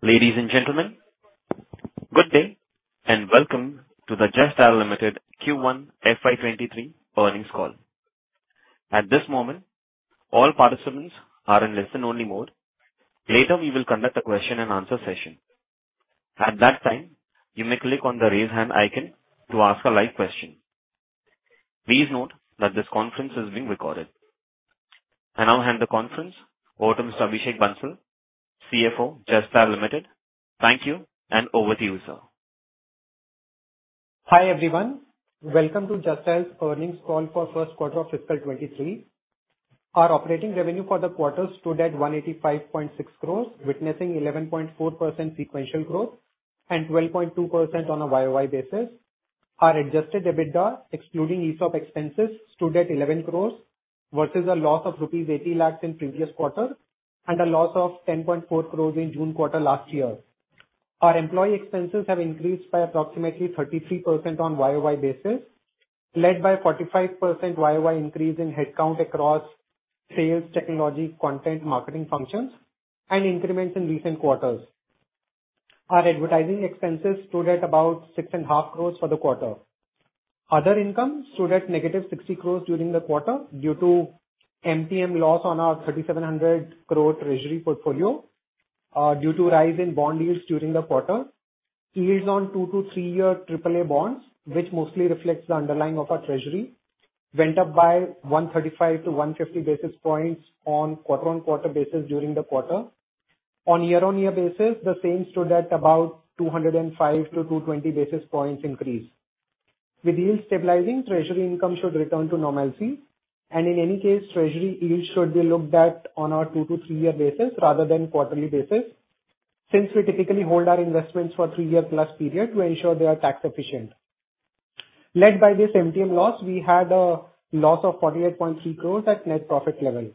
Ladies and gentlemen, good day, and welcome to the Just Dial Limited Q1 FY2023 earnings call. At this moment, all participants are in listen-only mode. Later, we will conduct a question and answer session. At that time, you may click on the Raise Hand icon to ask a live question. Please note that this conference is being recorded. I now hand the conference over to Mr. Abhishek Bansal, CFO, Just Dial Limited. Thank you, and over to you, sir. Hi, everyone. Welcome to Just Dial's earnings call for Q1 of fiscal 2023. Our operating revenue for the quarter stood at 185.6 crores, witnessing 11.4% sequential growth and 12.2% on a YOY basis. Our adjusted EBITDA, excluding ESOP expenses, stood at 11 crores versus a loss of rupees 80 lakhs in previous quarter and a loss of 10.4 crores in June quarter last year. Our employee expenses have increased by approximately 33% on YOY basis, led by a 45% YOY increase in head count across sales, technology, content, marketing functions and increments in recent quarters. Our advertising expenses stood at about 6.5 crores for the quarter. Other income stood at -60 crores during the quarter due to MTM loss on our 3,700 crore treasury portfolio, due to rise in bond yields during the quarter. Yields on two- to three-year triple-A bonds, which mostly reflects the underlying of our treasury, went up by 135-150 basis points on quarter-on-quarter basis during the quarter. On year-on-year basis, the same stood at about 205-220 basis points increase. With yields stabilizing, treasury income should return to normalcy and in any case, treasury yields should be looked at on a two- to three-year basis rather than quarterly basis since we typically hold our investments for three-year plus period to ensure they are tax efficient. Led by this MTM loss, we had a loss of 48.3 crores at net profit level.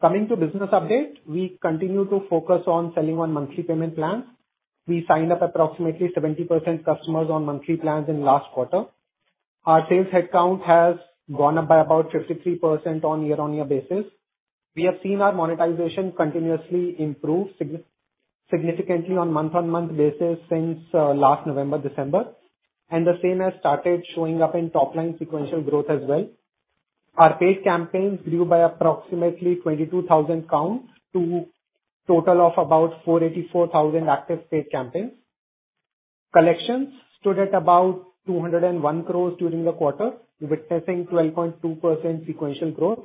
Coming to business update, we continue to focus on selling on monthly payment plans. We signed up approximately 70% customers on monthly plans in last quarter. Our sales head count has gone up by about 53% on year-on-year basis. We have seen our monetization continuously improve significantly on month-on-month basis since last November, December, and the same has started showing up in top-line sequential growth as well. Our paid campaigns grew by approximately 22,000 count to total of about 484,000 active paid campaigns. Collections stood at about 201 crore during the quarter, witnessing 12.2% sequential growth.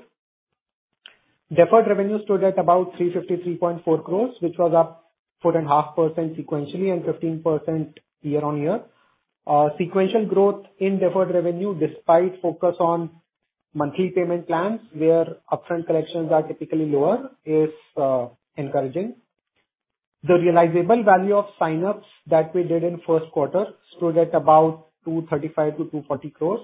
Deferred revenue stood at about 353.4 crore, which was up 4.5% sequentially and 15% year-on-year. Sequential growth in deferred revenue despite focus on monthly payment plans, where upfront collections are typically lower is encouraging. The realizable value of sign-ups that we did in Q1 stood at about 235-240 crores.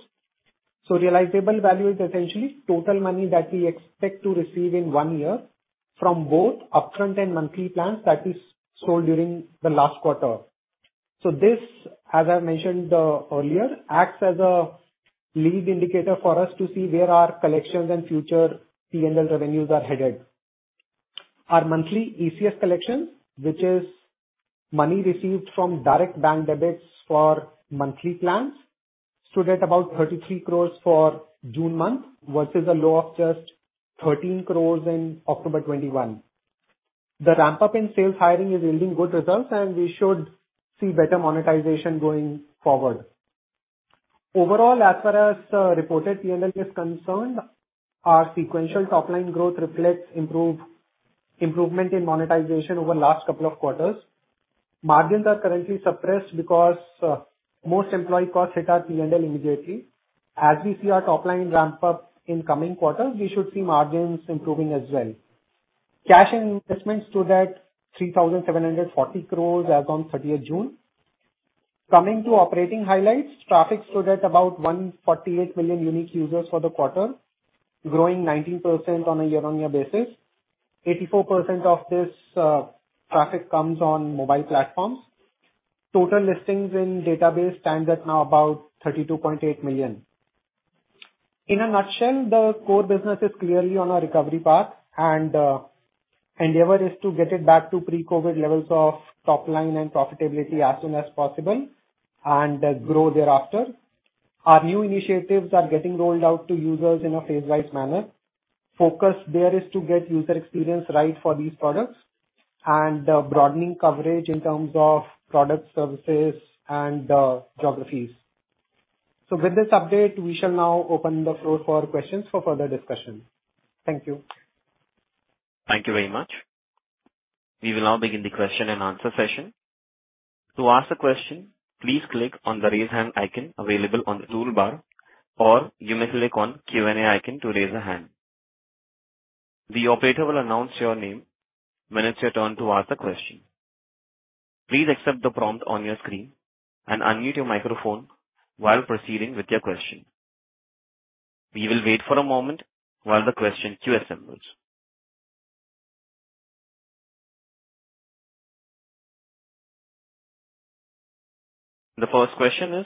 Realizable value is essentially total money that we expect to receive in one year from both upfront and monthly plans that is sold during the last quarter. This, as I mentioned, earlier, acts as a lead indicator for us to see where our collections and future PNL revenues are headed. Our monthly ECS collections, which is money received from direct bank debits for monthly plans, stood at about 33 crores for June month versus a low of just 13 crores in October 2021. The ramp-up in sales hiring is yielding good results, and we should see better monetization going forward. Overall, as far as reported P&L is concerned, our sequential top line growth reflects improvement in monetization over last couple of quarters. Margins are currently suppressed because most employee costs hit our P&L immediately. As we see our top line ramp up in coming quarters, we should see margins improving as well. Cash and investments stood at 3,740 crores as on 30th June. Coming to operating highlights, traffic stood at about 148 million unique users for the quarter, growing 19% on a year-on-year basis. 84% of this traffic comes on mobile platforms. Total listings in database stands at now about 32.8 million. In a nutshell, the core business is clearly on a recovery path and endeavor is to get it back to pre-COVID levels of top line and profitability as soon as possible and grow thereafter. Our new initiatives are getting rolled out to users in a phase-wise manner. Focus there is to get user experience right for these products and broadening coverage in terms of product services and geographies. With this update, we shall now open the floor for questions for further discussion. Thank you. Thank you very much. We will now begin the question and answer session. To ask a question, please click on the Raise Hand icon available on the toolbar, or you may click on the Q&A icon to raise a hand. The operator will announce your name when it's your turn to ask the question. Please accept the prompt on your screen and unmute your microphone while proceeding with your question. We will wait for a moment while the question queue assembles. The first question is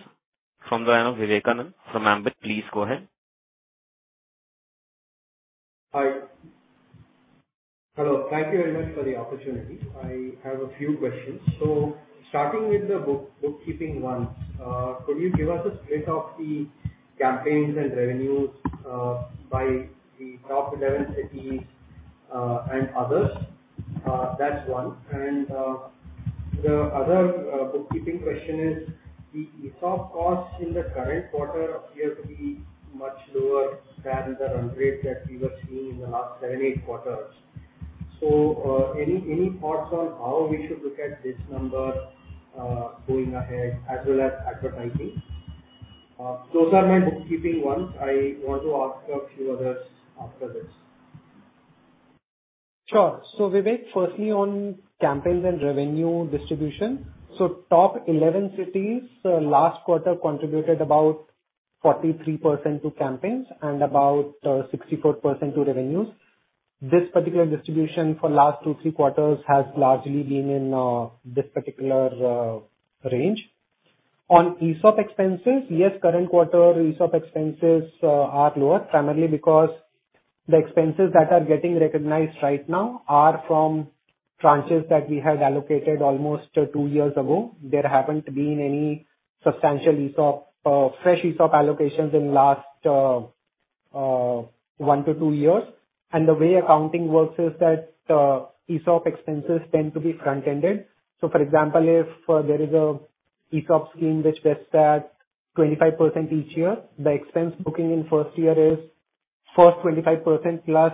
from the line of Vivekanand Subbaraman from Ambit Capital. Please go ahead. Hi. Hello. Thank you very much for the opportunity. I have a few questions. Starting with the bookkeeping ones, could you give us a split of the campaigns and revenues by the top 11 cities and others? That's one. The other bookkeeping question is, the ESOP costs in the current quarter appear to be much lower than the run rate that we were seeing in the last Q7, Q8. Any thoughts on how we should look at this number going ahead as well as advertising? Those are my bookkeeping ones. I want to ask a few others after this. Sure. Vivek, firstly on campaigns and revenue distribution. Top 11 cities last quarter contributed about 43% to campaigns and about 64% to revenues. This particular distribution for last Q2- Q3 has largely been in this particular range. On ESOP expenses, yes, current quarter ESOP expenses are lower, primarily because the expenses that are getting recognized right now are from tranches that we had allocated almost two years ago. There haven't been any substantial ESOP fresh ESOP allocations in last one-two years. The way accounting works is that ESOP expenses tend to be front-ended. For example, if there is a ESOP scheme which vests at 25% each year, the expense booking in first year is first 25% plus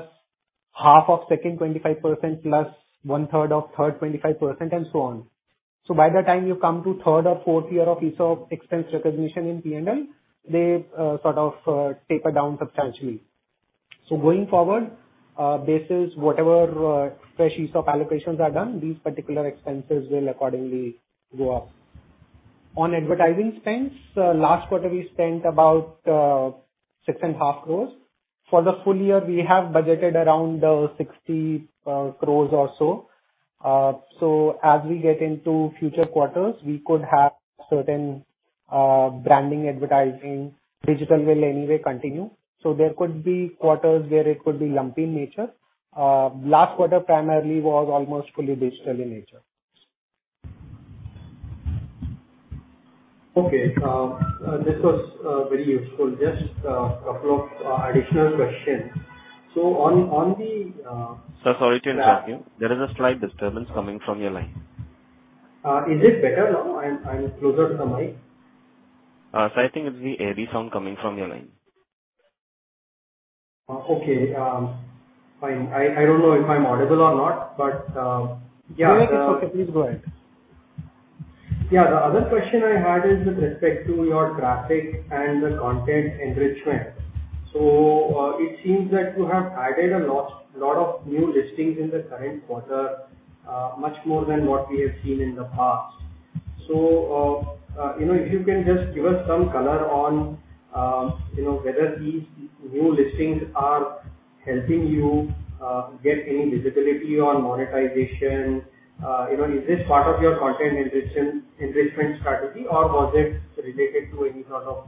half of second 25%, plus one-third of third 25%, and so on. By the time you come to third or fourth year of ESOP expense recognition in P&L, they sort of taper down substantially. Going forward, basis whatever fresh ESOP allocations are done, these particular expenses will accordingly go up. On advertising spends, last quarter we spent about 6.5 crore. For the full year we have budgeted around 60 crore or so. As we get into future quarters, we could have certain branding, advertising. Digital will anyway continue. There could be quarters where it could be lumpy in nature. Last quarter primarily was almost fully digital in nature. Okay. This was very useful. Just a couple of additional questions. On the- Sir, sorry to interrupt you. There is a slight disturbance coming from your line. Is it better now? I'm closer to the mic. Sir, I think it's the AV sound coming from your line. Okay. Fine. I don't know if I'm audible or not, but, yeah. No, it's okay. Please go ahead. Yeah. The other question I had is with respect to your traffic and the content enrichment. It seems like you have added a lot of new listings in the current quarter, much more than what we have seen in the past. You know, if you can just give us some color on, you know, whether these new listings are helping you get any visibility on monetization. You know, is this part of your content enrichment strategy, or was it related to any sort of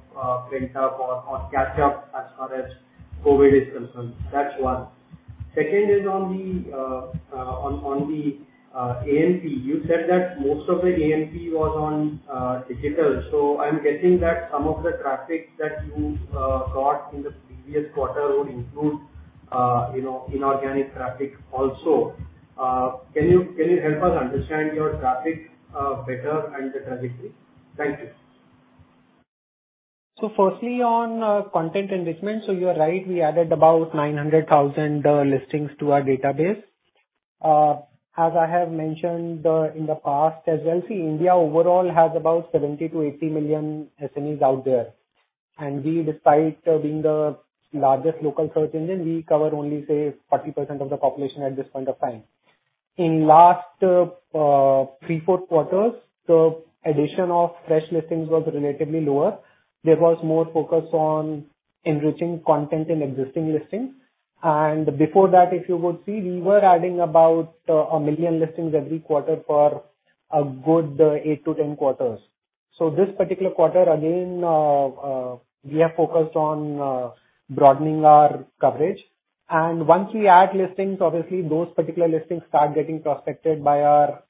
pent-up or catch-up as far as COVID is concerned? That's one. Second is on the A&P. You said that most of the A&P was on digital, so I'm guessing that some of the traffic that you got in the previous quarter would include, you know, inorganic traffic also. Can you help us understand your traffic better and the trajectory? Thank you. Firstly, on content enrichment. You are right, we added about 900,000 listings to our database. As I have mentioned in the past as well, see, India overall has about 70-80 million SMEs out there. We, despite being the largest local search engine, cover only say 40% of the population at this point of time. In last Q3-Q4, the addition of fresh listings was relatively lower. There was more focus on enriching content in existing listings. Before that, if you would see, we were adding about 1 million listings every quarter for a good Q8-Q10. This particular quarter, again, we have focused on broadening our coverage. Once we add listings, obviously those particular listings start getting prospected by our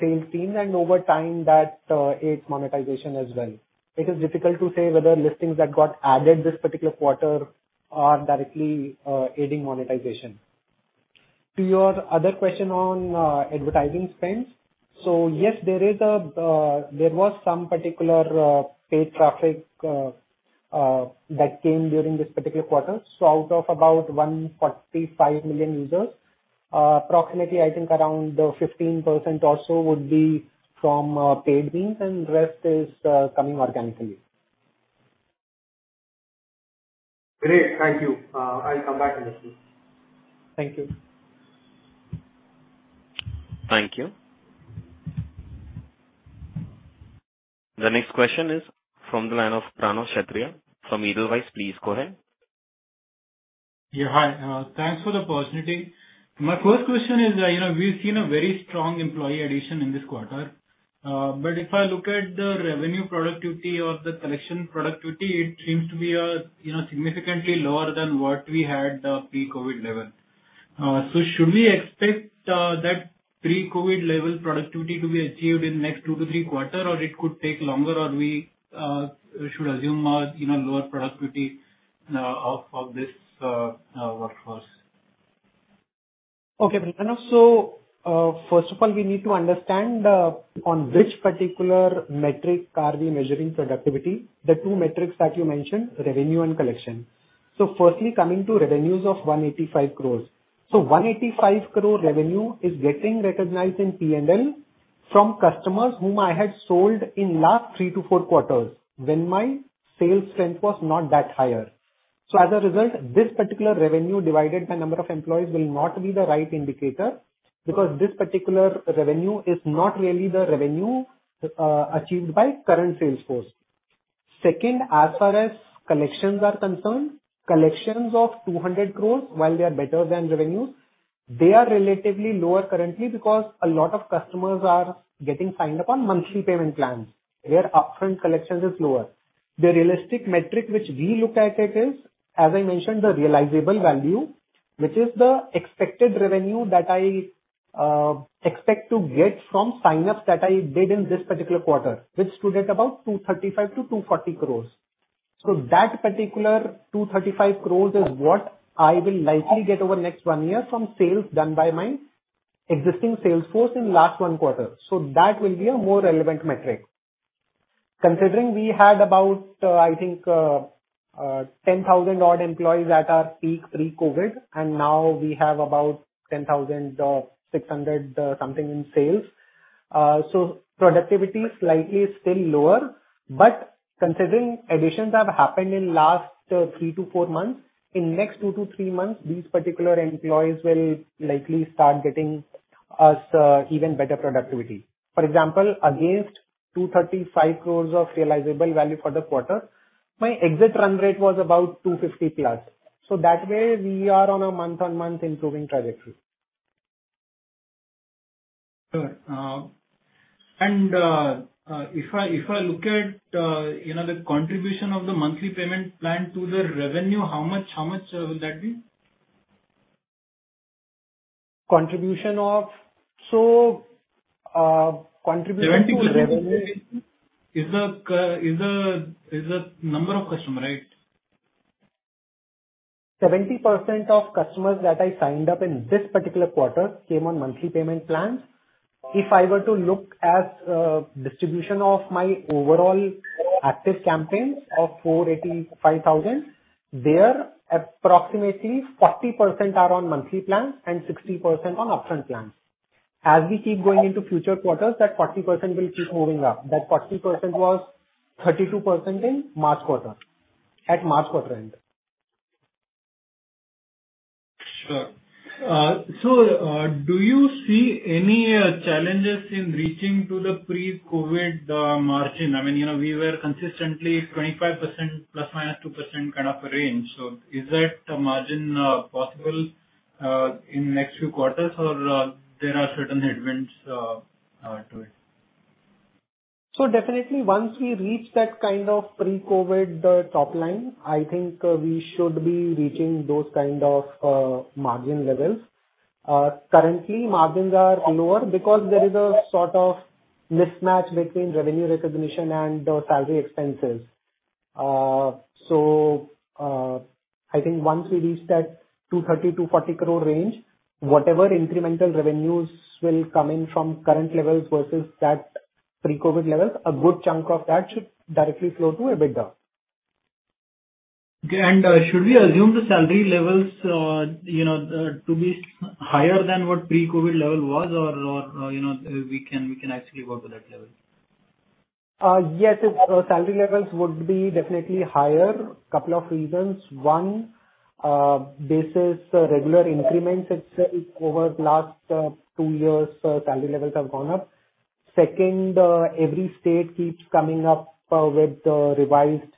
sales team and over time that aids monetization as well. It is difficult to say whether listings that got added this particular quarter are directly aiding monetization. To your other question on advertising spends. Yes, there was some particular paid traffic that came during this particular quarter. Out of about 145 million users, approximately, I think around 15% also would be from paid means, and rest is coming organically. Great. Thank you. I'll come back if necessary. Thank you. Thank you. The next question is from the line of Pranav Kshatriya from Edelweiss. Please go ahead. Yeah. Hi, thanks for the opportunity. My first question is, you know, we've seen a very strong employee addition in this quarter. If I look at the revenue productivity or the collection productivity, it seems to be, you know, significantly lower than what we had pre-COVID level. Should we expect that pre-COVID level productivity to be achieved in next Q2 to Q3 or it could take longer and we should assume a, you know, lower productivity of this workforce? Okay, Pranav. First of all, we need to understand on which particular metric are we measuring productivity. The two metrics that you mentioned, revenue and collection. Firstly, coming to revenues of 185 crore. One eighty-five crore revenue is getting recognized in P&L from customers whom I had sold in last Q3-Q4, when my sales strength was not that higher. As a result, this particular revenue divided by number of employees will not be the right indicator because this particular revenue is not really the revenue achieved by current sales force. Second, as far as collections are concerned, collections of 200 crore, while they are better than revenues, they are relatively lower currently because a lot of customers are getting signed up on monthly payment plans, where upfront collections is lower. The realistic metric which we look at it is, as I mentioned, the realizable value, which is the expected revenue that I expect to get from sign-ups that I did in this particular quarter, which stood at about 235 crore-240 crore. That particular 235 crore is what I will likely get over next one year from sales done by my existing sales force in last Q1. That will be a more relevant metric. Considering we had about, I think, 10,000 odd employees at our peak pre-COVID, and now we have about 10,600-something in sales. Productivity is likely still lower, but considering additions have happened in last three-four months, in next two-three months, these particular employees will likely start getting us even better productivity. For example, against 235 crores of realizable value for the quarter, my exit run rate was about 250+. That way we are on a month-on-month improving trajectory. Sure. If I look at, you know, the contribution of the monthly payment plan to the revenue, how much will that be? Contribution to revenue. 70% is the number of customer, right? 70% of customers that I signed up in this particular quarter came on monthly payment plans. If I were to look at, distribution of my overall active campaigns of 485,000, there are approximately 40% are on monthly plans and 60% on upfront plans. As we keep going into future quarters, that 40% will keep moving up. That 40% was 32% in March quarter, at March quarter end. Sure. Do you see any challenges in reaching to the pre-COVID margin? I mean, you know, we were consistently 25% ±2% kind of range. Is that margin possible in next few quarters or there are certain headwinds to it? Definitely once we reach that kind of pre-COVID top line, I think, we should be reaching those kind of margin levels. Currently margins are lower because there is a sort of mismatch between revenue recognition and the salary expenses. I think once we reach that 230 crore-240 crore range, whatever incremental revenues will come in from current levels versus that pre-COVID levels, a good chunk of that should directly flow to EBITDA. Okay. Should we assume the salary levels, you know, to be higher than what pre-COVID level was or you know, we can actually go to that level? Yes, it's salary levels would be definitely higher. Couple of reasons. One, basis regular increments it's over last two years salary levels have gone up. Second, every state keeps coming up with revised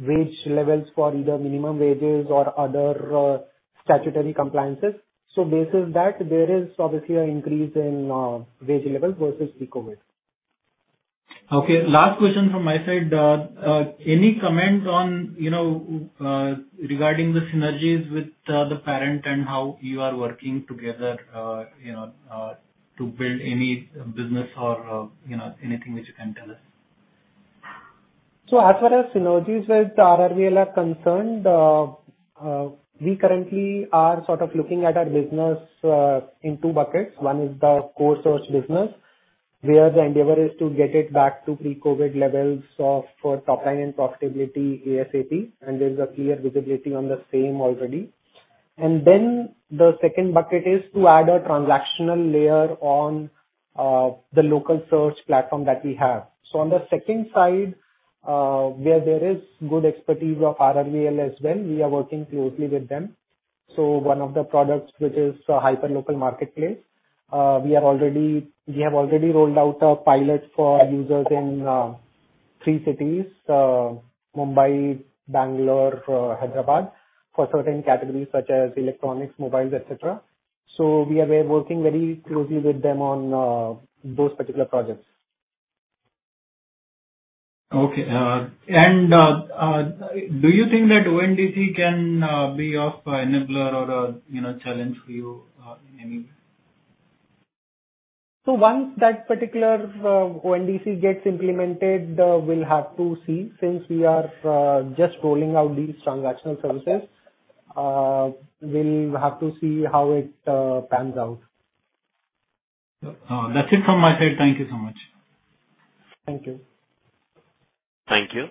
wage levels for either minimum wages or other statutory compliances. Basis that there is obviously an increase in wage levels versus pre-COVID. Okay. Last question from my side. Any comment on, you know, regarding the synergies with the parent and how you are working together, you know, to build any business or, you know, anything which you can tell us? As far as synergies with RRVL are concerned, we currently are sort of looking at our business in two buckets. One is the core search business, where the endeavor is to get it back to pre-COVID levels of, for top line and profitability ASAP. There's a clear visibility on the same already. Then the second bucket is to add a transactional layer on the local search platform that we have. On the second side, where there is good expertise of RRVL as well, we are working closely with them. One of the products which is a hyperlocal marketplace, we have already rolled out a pilot for users in three cities, Mumbai, Bangalore, Hyderabad, for certain categories such as electronics, mobiles, et cetera. We are working very closely with them on those particular projects. Okay. Do you think that ONDC can be an enabler or a, you know, challenge for you in any way? Once that particular ONDC gets implemented, we'll have to see. Since we are just rolling out these transactional services, we'll have to see how it pans out. That's it from my side. Thank you so much. Thank you. Thank you.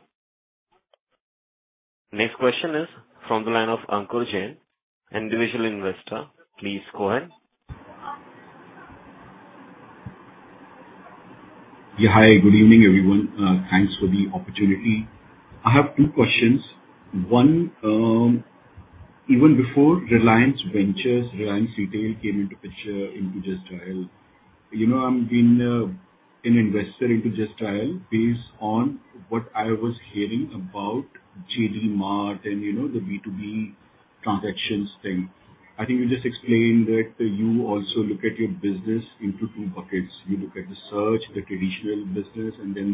Next question is from the line of Ankur Jain, individual investor. Please go ahead. Yeah. Hi, good evening, everyone. Thanks for the opportunity. I have two questions. One, even before Reliance Retail Ventures, Reliance Retail came into the picture in Just Dial. You know, I've been an investor into Just Dial based on what I was hearing about JD Mart and, you know, the B2B transactions thing. I think you just explained that you also look at your business in two buckets. You look at the search, the traditional business, and then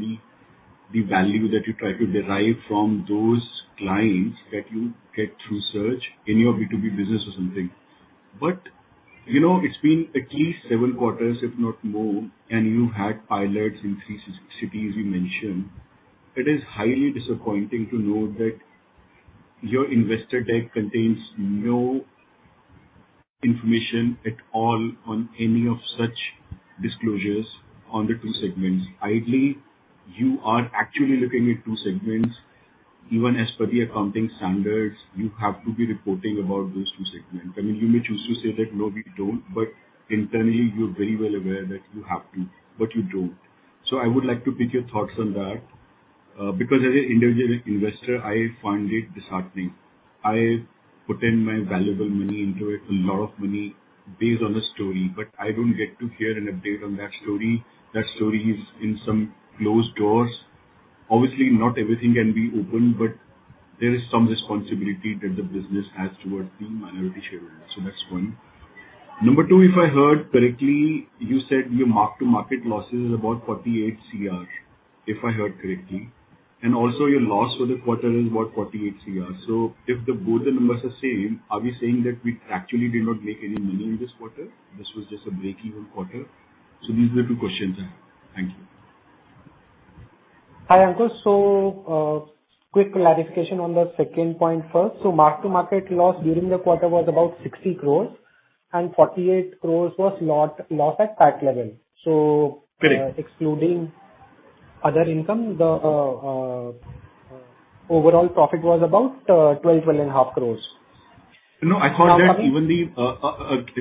the value that you try to derive from those clients that you get through search in your B2B business or something. You know, it's been at least Q7, if not more, and you've had pilots in three cities you mentioned. It is highly disappointing to know that your investor deck contains no information at all on any of such disclosures on the two segments. Ideally, you are actually looking at two segments. Even as per the accounting standards, you have to be reporting about those two segments. I mean, you may choose to say that, "No, we don't," but internally you're very well aware that you have to, but you don't. I would like to pick your thoughts on that. Because as an individual investor, I find it disheartening. I put in my valuable money into it, a lot of money based on a story, but I don't get to hear an update on that story. That story is behind closed doors. Obviously, not everything can be open, but there is some responsibility that the business has towards the minority shareholders. That's one. Number two, if I heard correctly, you said your mark-to-market loss is about 48 Cr, if I heard correctly. Also your loss for the quarter is about 48 crore. If both the numbers are the same, are we saying that we actually did not make any money in this quarter? This was just a breakeven quarter. These are the two questions I have. Thank you. Hi, Ankur. Quick clarification on the second point first. Mark-to-market loss during the quarter was about 60 crore and 48 crore was loss at PAT level. Great. Excluding other income, the overall profit was about 12 and a half crores.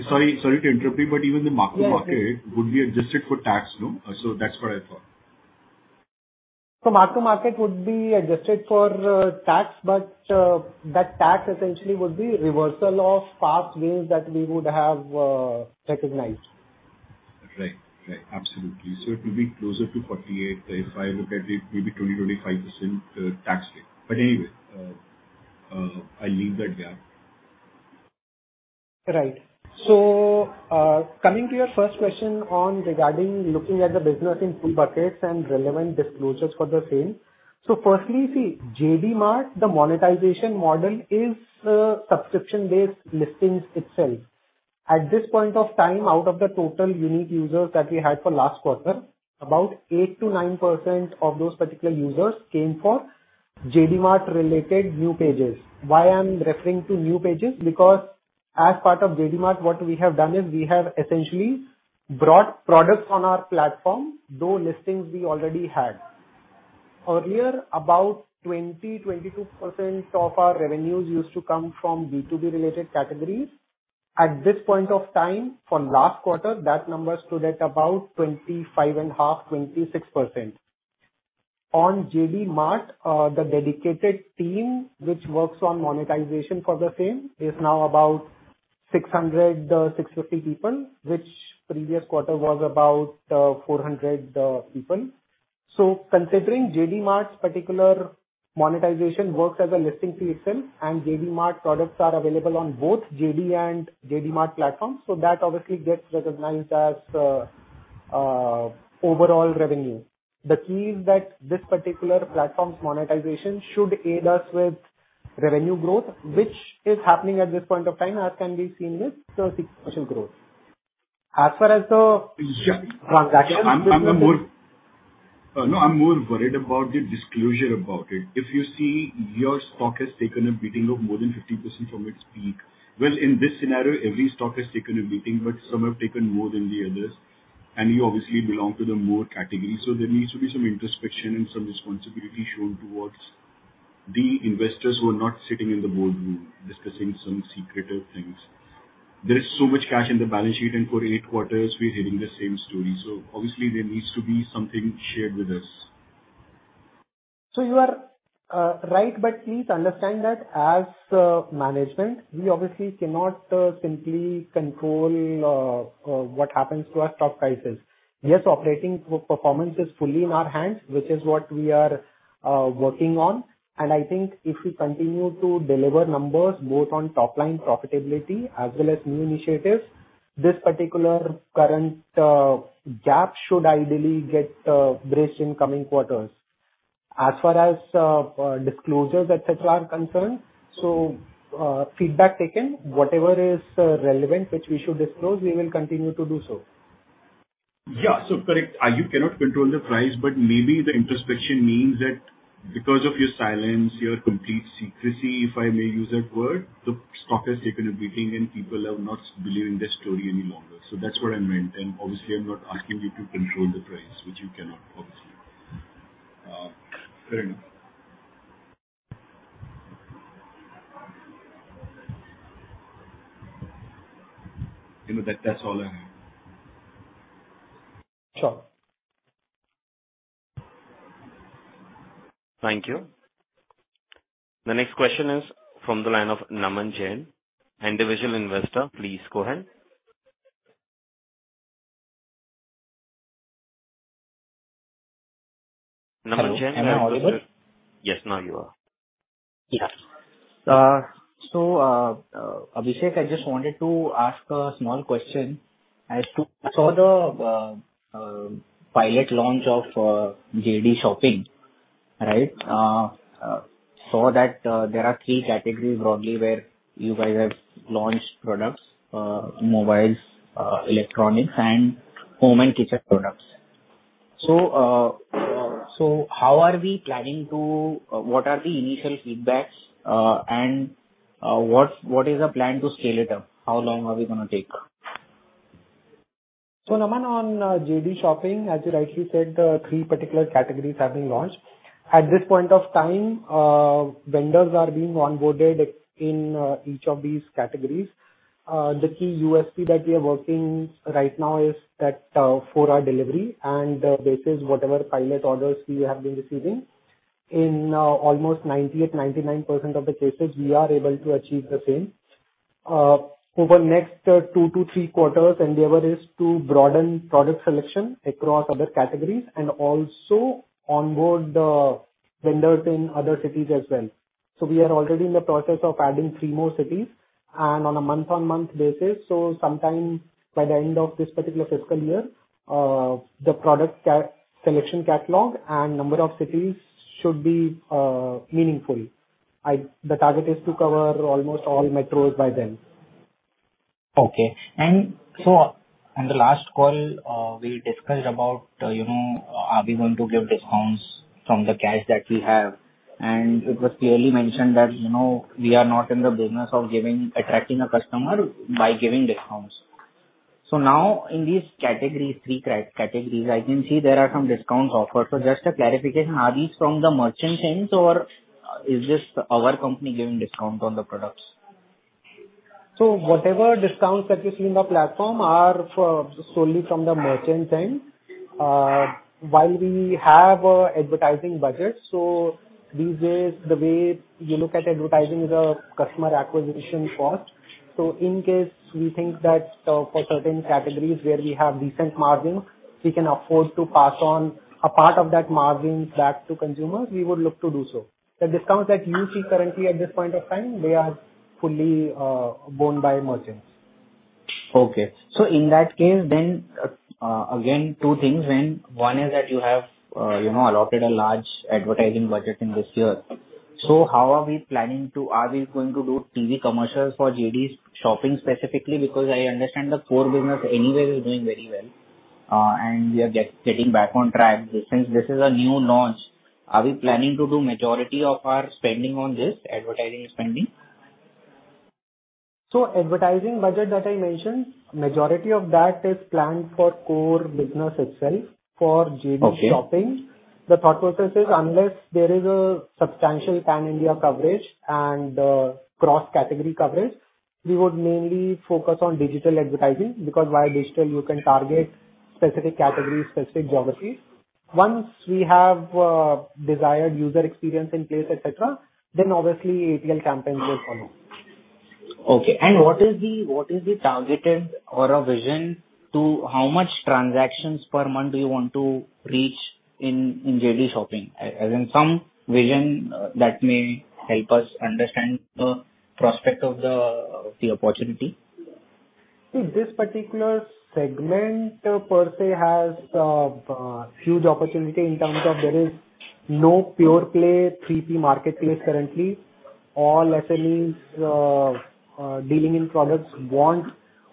Sorry to interrupt you, but even the mark-to-market- Yeah, yeah. Would be adjusted for tax, no? That's what I thought. Mark-to-market would be adjusted for tax, but that tax essentially would be reversal of past gains that we would have recognized. Right. Absolutely. It will be closer to 48 if I look at it, maybe 20, 25% tax rate. Anyway, I leave that gap. Right. Coming to your first question on regarding looking at the business in two buckets and relevant disclosures for the same. Firstly, see, JD Mart, the monetization model is subscription-based listings itself. At this point of time, out of the total unique users that we had for last quarter, about 8%-9% of those particular users came for JD Mart related new pages. Why I'm referring to new pages because as part of JD Mart, what we have done is we have essentially brought products on our platform, those listings we already had. Earlier, about 22% of our revenues used to come from B2B related categories. At this point of time, for last quarter, that number stood at about 25.5%-26%. On JD Mart, the dedicated team which works on monetization for the same is now about 600, 650 people, which previous quarter was about 400 people. Considering JD Mart's particular monetization works as a listing fee itself, and JD Mart products are available on both JD and JD Mart platforms, that obviously gets recognized as overall revenue. The key is that this particular platform's monetization should aid us with revenue growth, which is happening at this point of time, as can be seen with the sequential growth. As far as the Yeah. transaction business I'm more worried about the disclosure about it. If you see, your stock has taken a beating of more than 50% from its peak. Well, in this scenario, every stock has taken a beating, but some have taken more than the others, and you obviously belong to the more category. There needs to be some introspection and some responsibility shown towards the investors who are not sitting in the board room discussing some secretive things. There is so much cash in the balance sheet, and for Q8 we're hearing the same story. Obviously there needs to be something shared with us. You are right. Please understand that as management, we obviously cannot simply control what happens to our stock prices. Yes, operating performance is fully in our hands, which is what we are working on. I think if we continue to deliver numbers both on top-line profitability as well as new initiatives, this particular current gap should ideally get bridged in coming quarters. As far as disclosures et cetera are concerned, feedback taken. Whatever is relevant which we should disclose, we will continue to do so. Yeah. Correct, you cannot control the price, but maybe the introspection means that because of your silence, your complete secrecy, if I may use that word, the stock has taken a beating and people are not believing the story any longer. That's what I meant. Obviously, I'm not asking you to control the price, which you cannot, obviously. Fair enough. You know, that's all I have. Sure. Thank you. The next question is from the line of Naman Jain, individual investor. Please go ahead. Naman Jain- Hello. Am I audible? Yes, now you are. Yeah, Abhishek, I just wanted to ask a small question as to I saw the pilot launch of JD Shopping, right? Saw that there are three categories broadly where you guys have launched products, mobiles, electronics, and home and kitchen products. What are the initial feedbacks, and what is the plan to scale it up? How long are we gonna take? Naman, on JD Shopping, as you rightly said, three particular categories have been launched. At this point of time, vendors are being onboarded in each of these categories. The key USP that we are working right now is that, four-hour delivery and basis whatever pilot orders we have been receiving. In almost 90%-99% of the cases, we are able to achieve the same. Over next Q2-Q3, endeavor is to broaden product selection across other categories and also onboard vendors in other cities as well. We are already in the process of adding 3 more cities and on a month-on-month basis, so sometime by the end of this particular fiscal year, the product catalog selection and number of cities should be meaningful. The target is to cover almost all metros by then. Okay. In the last call, we discussed about, you know, are we going to give discounts from the cash that we have? It was clearly mentioned that, you know, we are not in the business of attracting a customer by giving discounts. Now in these three categories, I can see there are some discounts offered. Just a clarification, are these from the merchant end or is this our company giving discount on the products? Whatever discounts that you see in the platform are solely from the merchant end. While we have an advertising budget, these days the way you look at advertising is a customer acquisition cost. In case we think that for certain categories where we have decent margin, we can afford to pass on a part of that margin back to consumers, we would look to do so. The discounts that you see currently at this point of time are fully borne by merchants. Okay. In that case, again, two things then. One is that you have, you know, allotted a large advertising budget in this year. Are we going to do TV commercials for JD Shopping specifically? Because I understand the core business anyway is doing very well, and we are getting back on track. Since this is a new launch, are we planning to do majority of our spending on this, advertising spending? Advertising budget that I mentioned, majority of that is planned for core business itself. Okay. For JD Shopping, the thought process is unless there is a substantial pan-India coverage and cross-category coverage, we would mainly focus on digital advertising, because via digital you can target specific categories, specific geographies. Once we have desired user experience in place, etc., then obviously ATL campaigns will follow. Okay. What is the targeted or a vision to how much transactions per month do you want to reach in JD Shopping? As in some vision that may help us understand the prospect of the opportunity. See, this particular segment per se has a huge opportunity in terms of there is no pure play 3P marketplace currently. All SMEs dealing in products want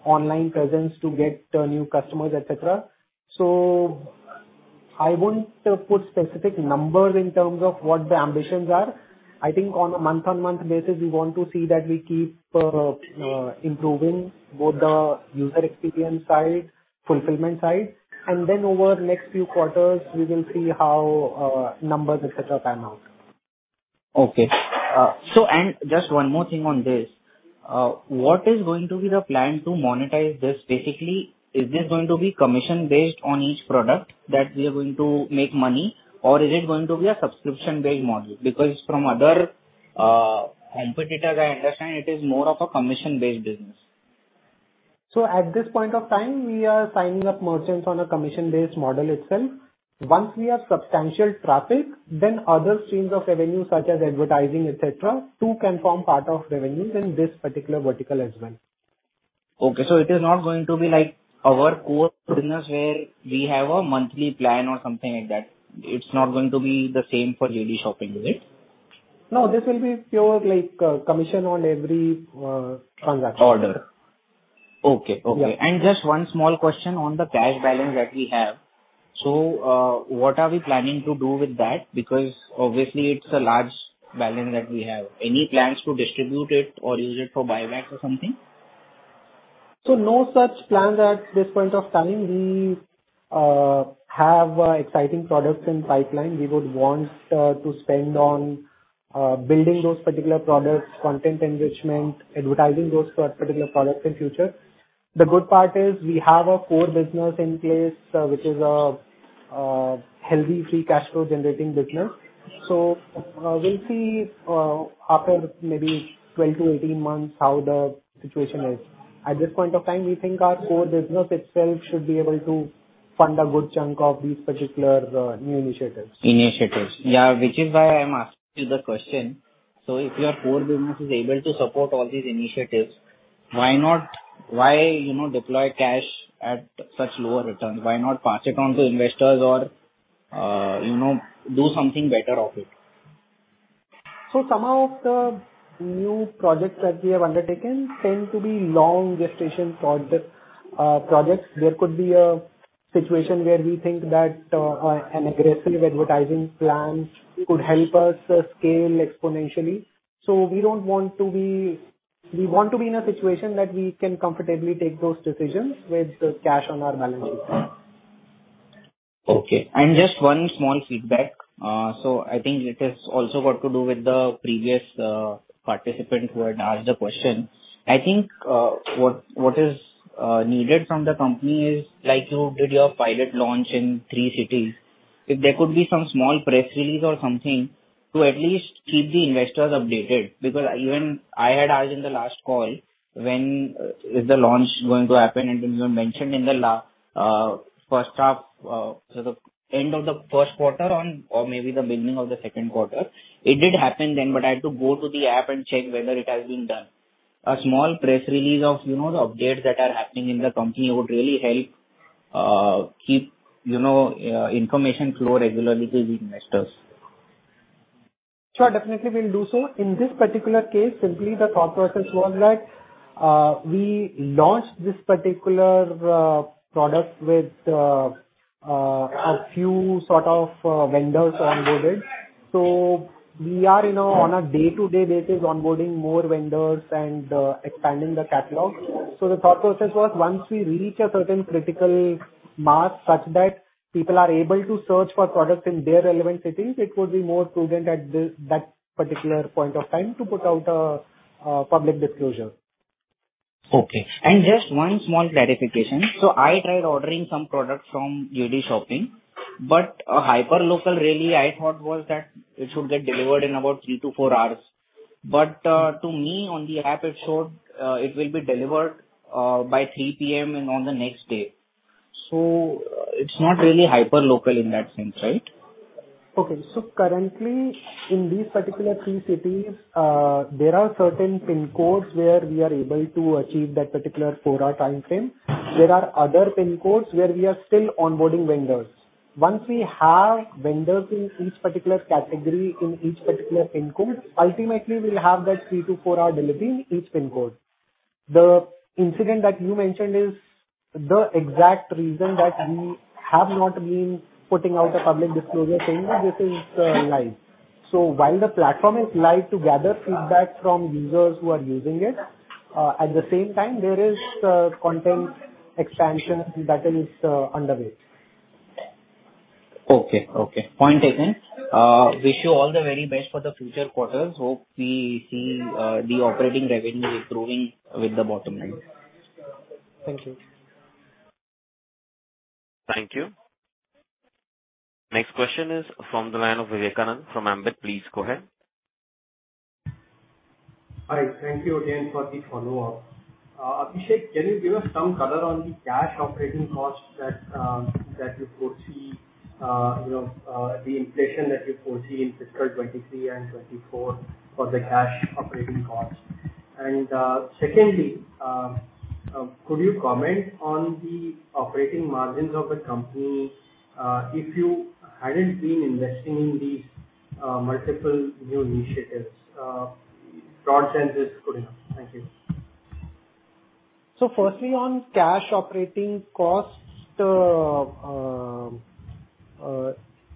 online presence to get new customers, etc. I wouldn't put specific numbers in terms of what the ambitions are. I think on a month-on-month basis, we want to see that we keep improving both the user experience side, fulfillment side, and then over the next few quarters, we will see how numbers, etc., pan out. Okay. Just one more thing on this. What is going to be the plan to monetize this? Basically, is this going to be commission-based on each product that we are going to make money, or is it going to be a subscription-based model? Because from other competitors, I understand it is more of a commission-based business. At this point of time, we are signing up merchants on a commission-based model itself. Once we have substantial traffic, then other streams of revenue such as advertising, et cetera, too can form part of revenues in this particular vertical as well. Okay. It is not going to be like our core business where we have a monthly plan or something like that. It's not going to be the same for daily shopping, is it? No, this will be pure like commission on every transaction. Order. Okay. Okay. Yeah. Just one small question on the cash balance that we have. What are we planning to do with that? Because obviously it's a large balance that we have. Any plans to distribute it or use it for buyback or something? No such plans at this point of time. We have exciting products in pipeline we would want to spend on building those particular products, content enrichment, advertising those particular products in future. The good part is we have a core business in place, which is a healthy free cash flow generating business. We'll see after maybe 12-18 months how the situation is. At this point of time, we think our core business itself should be able to fund a good chunk of these particular new initiatives. Initiatives. Yeah. Which is why I'm asking you the question. If your core business is able to support all these initiatives, why not, why, you know, deploy cash at such lower returns? Why not pass it on to investors or, you know, do something better of it? Some of the new projects that we have undertaken tend to be long gestation projects. There could be a situation where we think that an aggressive advertising plan could help us scale exponentially. We want to be in a situation that we can comfortably take those decisions with the cash on our balances. Okay. Just one small feedback. I think it is also got to do with the previous participant who had asked the question. I think what is needed from the company is like you did your pilot launch in three cities. If there could be some small press release or something to at least keep the investors updated. Because even I had asked in the last call when is the launch going to happen, and then you had mentioned in the H1, so the end of the Q1 or maybe the beginning of the Q2. It did happen then, but I had to go to the app and check whether it has been done. A small press release of, you know, the updates that are happening in the company would really help keep, you know, information flow regularly with investors. Sure. Definitely, we'll do so. In this particular case, simply the thought process was that, we launched this particular product with a few sort of vendors onboarded. We are, you know, on a day-to-day basis onboarding more vendors and expanding the catalog. The thought process was once we reach a certain critical mass such that people are able to search for products in their relevant settings, it would be more prudent at that particular point of time to put out a public disclosure. Okay. Just one small clarification. I tried ordering some products from JD Shopping, but a hyperlocal really I thought was that it should get delivered in about three to four hours. But, to me on the app it showed, it will be delivered, by 3 P.M. and on the next day. It's not really hyperlocal in that sense, right? Okay. Currently in these particular three cities, there are certain PIN codes where we are able to achieve that particular four-hour timeframe. There are other PIN codes where we are still onboarding vendors. Once we have vendors in each particular category in each particular PIN code, ultimately we'll have that three to four-hour delivery in each PIN code. The incident that you mentioned is the exact reason that we have not been putting out a public disclosure saying that this is live. While the platform is live to gather feedback from users who are using it, at the same time, there is content expansion that is underway. Okay. Point taken. Wish you all the very best for the future quarters. Hope we see the operating revenue improving with the bottom line. Thank you. Thank you. Next question is from the line of Vivekanand Subbaraman from Ambit Capital. Please go ahead. Hi. Thank you again for the follow-up. Abhishek, can you give us some color on the cash operating costs that you foresee, the inflation that you foresee in fiscal 2023 and 2024 for the cash operating costs? Secondly, could you comment on the operating margins of the company if you hadn't been investing in these multiple new initiatives? Broad sense is good enough. Thank you. Firstly, on cash operating costs,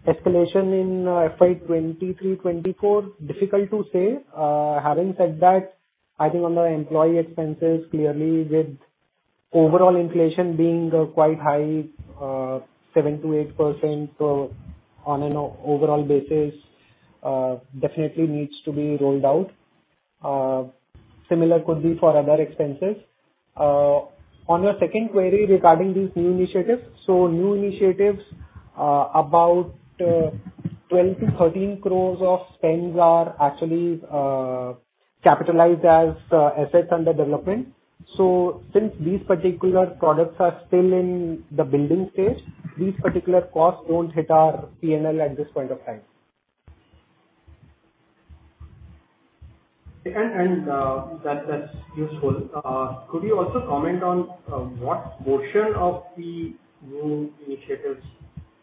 escalation in FY 2023, 2024, difficult to say. Having said that, I think on the employee expenses, clearly with overall inflation being quite high, 7%-8% on an overall basis, definitely needs to be rolled out. Similar could be for other expenses. On your second query regarding these new initiatives. New initiatives, about 12-13 crores of spends are actually capitalized as assets under development. Since these particular products are still in the building stage, these particular costs won't hit our PNL at this point of time. That's useful. Could you also comment on what portion of the new initiatives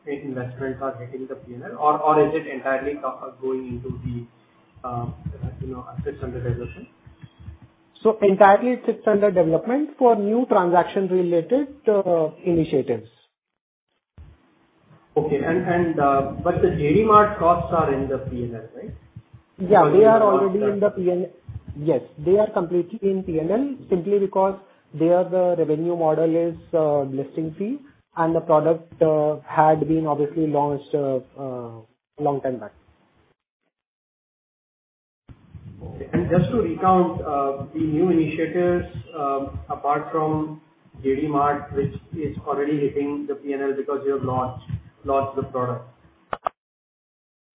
and investments are hitting the PNL or is it entirely going into the assets under development? Entirely, it's under development for new transaction-related initiatives. JD Mart costs are in the PNL, right? Yeah. They are already in the P&L. Yes, they are completely in P&L simply because their revenue model is listing fee and the product had been obviously launched long time back. Just to recount the new initiatives apart from JD Mart, which is already hitting the P&L because you have launched the product.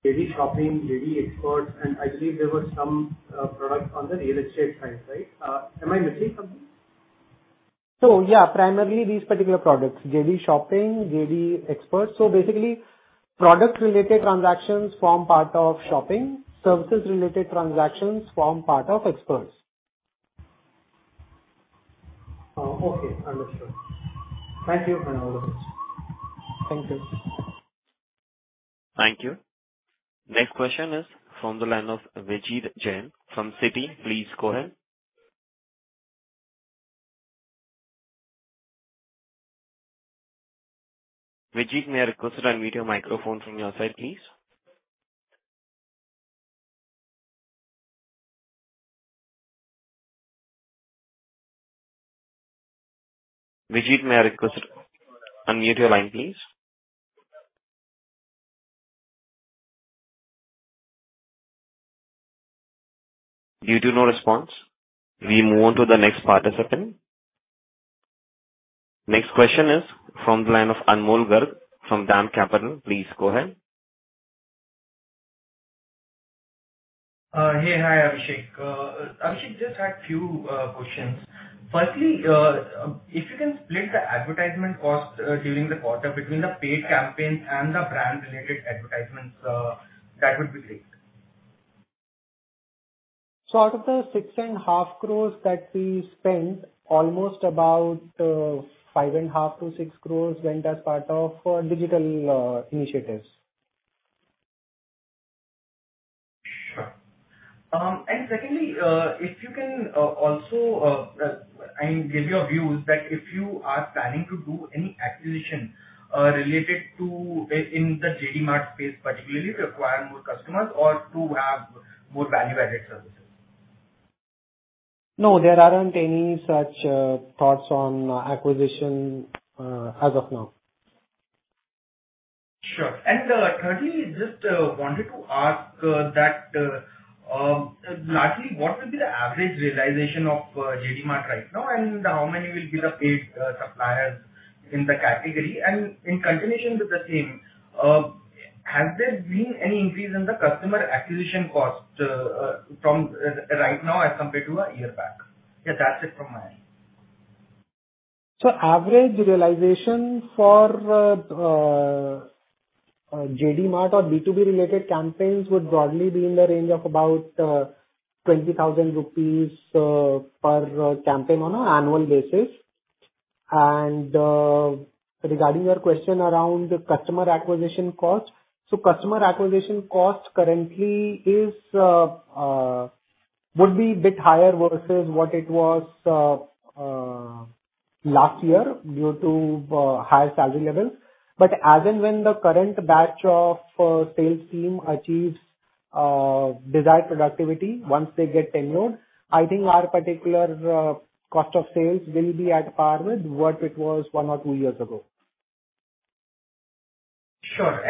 JD Shopping, JD Xperts, and I believe there were some products on the real estate side, right? Am I missing something? Yeah, primarily these particular products, JD Shopping, Jd Xperts. Basically product related transactions form part of shopping. Services related transactions form part of experts. Oh, okay. Understood. Thank you and all the best. Thank you. Thank you. Next question is from the line of Vijit Jain from Citi. Please go ahead. Vijit, may I request you unmute your microphone from your side, please. Vijit, may I request, unmute your line, please. Due to no response, we move on to the next participant. Next question is from the line of Anmol Garg from DAM Capital. Please go ahead. Hey. Hi, Abhishek. Abhishek, just had few questions. Firstly, if you can split the advertisement cost during the quarter between the paid campaign and the brand related advertisements, that would be great. Out of the 6.5 crores that we spent, almost about 5.5-6 crores went as part of digital initiatives. Sure. Secondly, if you can also, I mean, give your views that if you are planning to do any acquisition related to in the JD Mart space particularly to acquire more customers or to have more value-added services? No, there aren't any such thoughts on acquisition as of now. Sure. Thirdly, just wanted to ask that largely what will be the average realization of JD Mart right now and how many will be the paid suppliers in the category? In continuation with the same, has there been any increase in the customer acquisition cost from right now as compared to a year back? Yeah, that's it from my end. Average realization for JD Mart or B2B related campaigns would broadly be in the range of about 20,000 rupees per campaign on an annual basis. Regarding your question around customer acquisition costs. Customer acquisition costs currently would be bit higher versus what it was last year due to higher salary levels. As and when the current batch of sales team achieves desired productivity, once they get tenured, I think our particular cost of sales will be at par with what it was one or two years ago. Sure.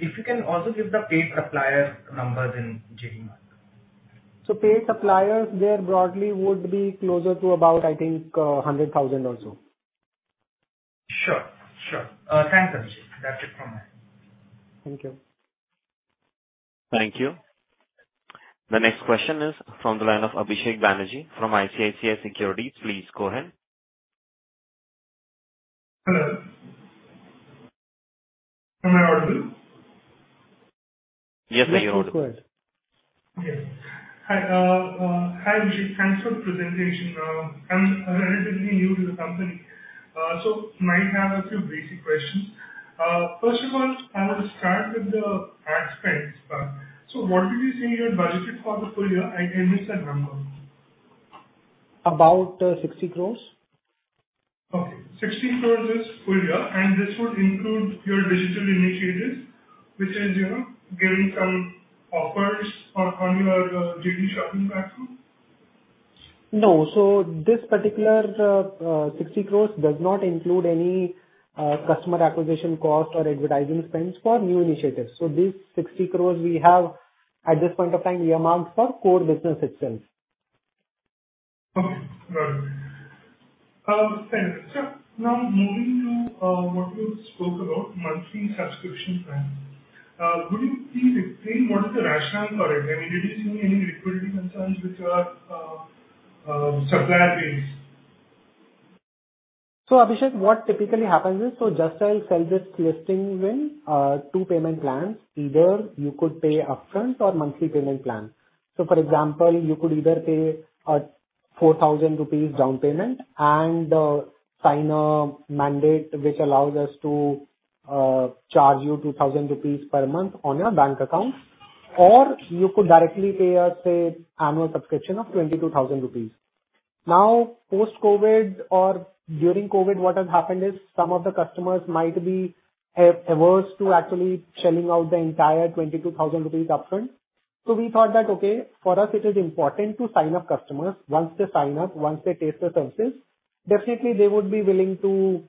If you can also give the paid supplier numbers in JD Mart. Paid suppliers there broadly would be closer to about, I think, 100,000 or so. Sure. Thanks, Abhishek. That's it from me. Thank you. Thank you. The next question is from the line of Abhishek Banerjee from ICICI Securities. Please go ahead. Hello. Am I audible? Yes, now you're audible. Yes. Hi, Abhishek. Thanks for the presentation. I'm relatively new to the company, so might have a few basic questions. First of all, I want to start with the ad spends part. What did you say you had budgeted for the full year? I missed that number. About 60 crores. Okay. 60 crore is full year, and this would include your digital initiatives, which is, you know, giving some offers on your daily shopping platform. No. This particular 60 crore does not include any customer acquisition cost or advertising spends for new initiatives. This 60 crore we have at this point of time earmarked for core business itself. Okay. Got it. Thanks. Now moving to what you spoke about monthly subscription plan. Could you please explain what is the rationale for it? I mean, did you see any liquidity concerns with your supplier base? Abhishek, what typically happens is, Just Dial sells its listings in two payment plans. Either you could pay upfront or monthly payment plan. For example, you could either pay a 4,000 rupees down payment and sign a mandate which allows us to charge you 2,000 rupees per month on your bank account. Or you could directly pay a, say, annual subscription of 22,000 rupees. Now, post-COVID or during COVID, what has happened is some of the customers might be averse to actually shelling out the entire 22,000 rupees upfront. We thought that, okay, for us it is important to sign up customers. Once they sign up, once they taste the services, definitely they would be willing to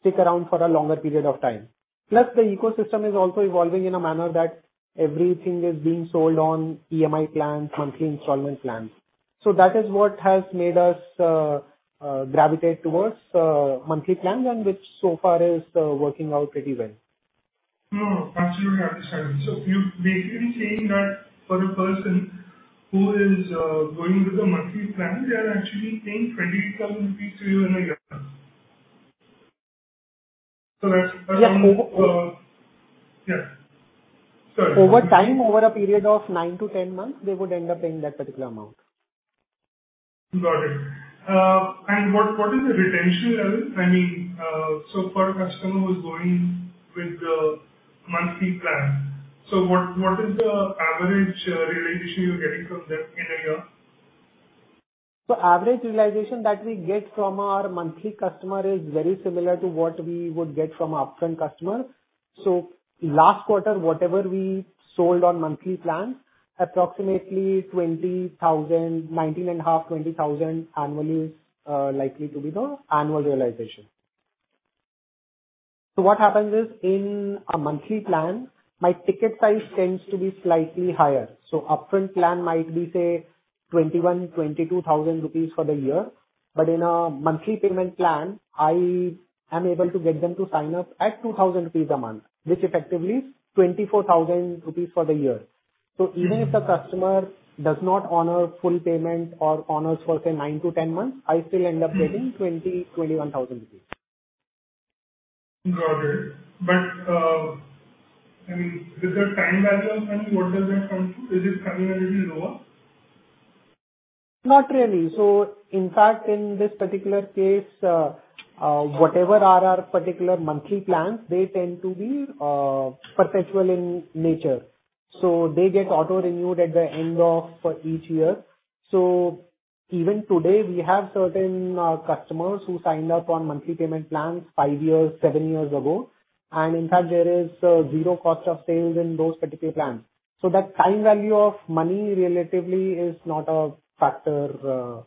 stick around for a longer period of time. Plus, the ecosystem is also evolving in a manner that everything is being sold on EMI plans, monthly installment plans. That is what has made us gravitate towards monthly plans, and which so far is working out pretty well. No, absolutely understand. You're basically saying that for a person who is going with a monthly plan, they are actually paying 22,000 rupees to you in a year. That's around. Yeah. Sorry. Over time, over a period of nine-10 months, they would end up paying that particular amount. Got it. What is the retention level? I mean, for a customer who's going with the monthly plan, what is the average realization you're getting from them in a year? Average realization that we get from our monthly customer is very similar to what we would get from upfront customers. Last quarter, whatever we sold on monthly plans, approximately 20,000, 19.5, 20,000 annually is likely to be the annual realization. What happens is in a monthly plan, my ticket size tends to be slightly higher. Upfront plan might be, say, 21,000-22,000 rupees for the year. In a monthly payment plan, I am able to get them to sign up at 2,000 rupees a month, which effectively is 24,000 rupees for the year. Even if the customer does not honor full payment or honors for, say, nine-10 months, I still end up getting 20,000-21,000 rupees. Got it. I mean, with the time value of money, what does that come to? Is it coming a little lower? Not really. In fact, in this particular case, whatever are our particular monthly plans, they tend to be perpetual in nature. They get auto-renewed at the end of each year. Even today we have certain customers who signed up on monthly payment plans five years, seven years ago. In fact, there is zero cost of sales in those particular plans. That time value of money relatively is not a factor,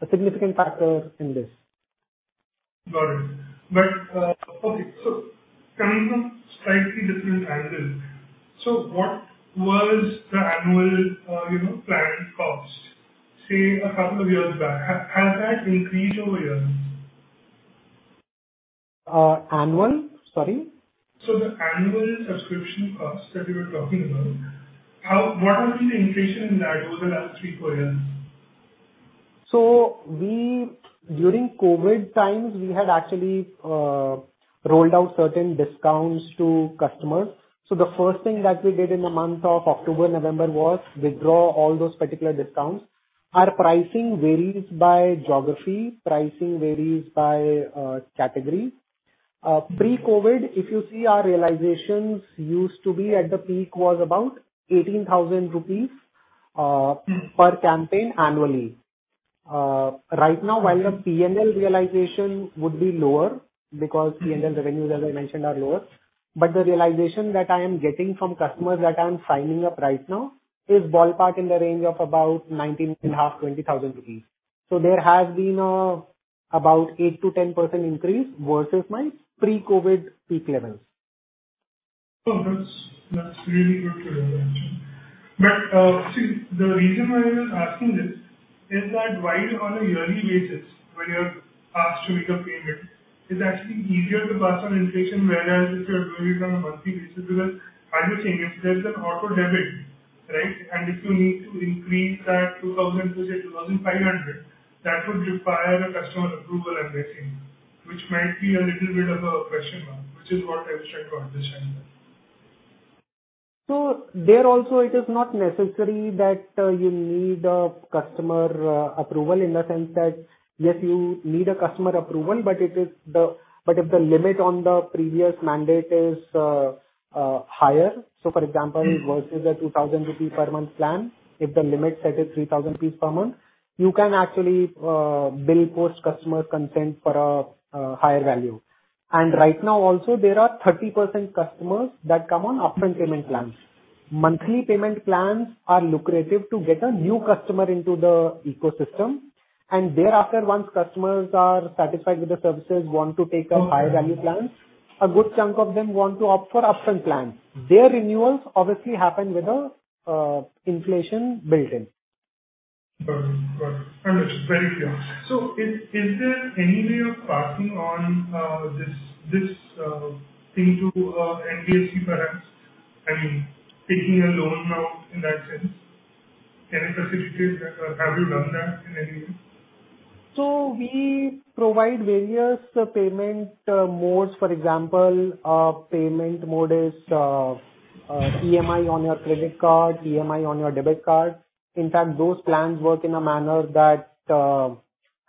a significant factor in this. Got it. Okay. Coming from slightly different angle. What was the annual, you know, planned cost, say, a couple of years back? Has that increased over years? Annual? Sorry. The annual subscription cost that we were talking about, what has been the inflation in that over the last three-four years? During COVID times, we had actually rolled out certain discounts to customers. The first thing that we did in the month of October, November was withdraw all those particular discounts. Our pricing varies by geography, pricing varies by category. pre-COVID, if you see our realizations used to be at the peak was about 18,000 rupees per campaign annually. right now, while the P&L realization would be lower because P&L revenues, as I mentioned, are lower. The realization that I am getting from customers that I'm signing up right now is ballpark in the range of about 19,500-20,000 rupees. there has been about 8%-10% increase versus my pre-COVID peak levels. Oh, that's really good to mention. See, the reason why I was asking this is that while on a yearly basis when you're asked to make a payment, it's actually easier to pass on inflation whereas if you're doing it on a monthly basis because, as you're saying, if there's an auto debit, right? If you need to increase that 2,000 to 2,500, that would require a customer approval, I'm guessing, which might be a little bit of a friction, which is what I was trying to understand there. There also it is not necessary that you need a customer approval in the sense that, yes, you need a customer approval, but if the limit on the previous mandate is higher. For example, versus a 2,000 rupee per month plan, if the limit set is 3,000 rupees per month, you can actually bill post customer consent for a higher value. Right now also there are 30% customers that come on upfront payment plans. Monthly payment plans are lucrative to get a new customer into the ecosystem, and thereafter, once customers are satisfied with the services, want to take up higher value plans. Okay. A good chunk of them want to opt for upfront plans. Their renewals obviously happen with a inflation built in. Got it. Understood. Very clear. Is there any way of passing on this thing to NBFC perhaps? I mean, taking a loan out in that sense, can it facilitate that or have you done that in any way? We provide various payment modes. For example, a payment mode is EMI on your credit card, EMI on your debit card. In fact, those plans work in a manner that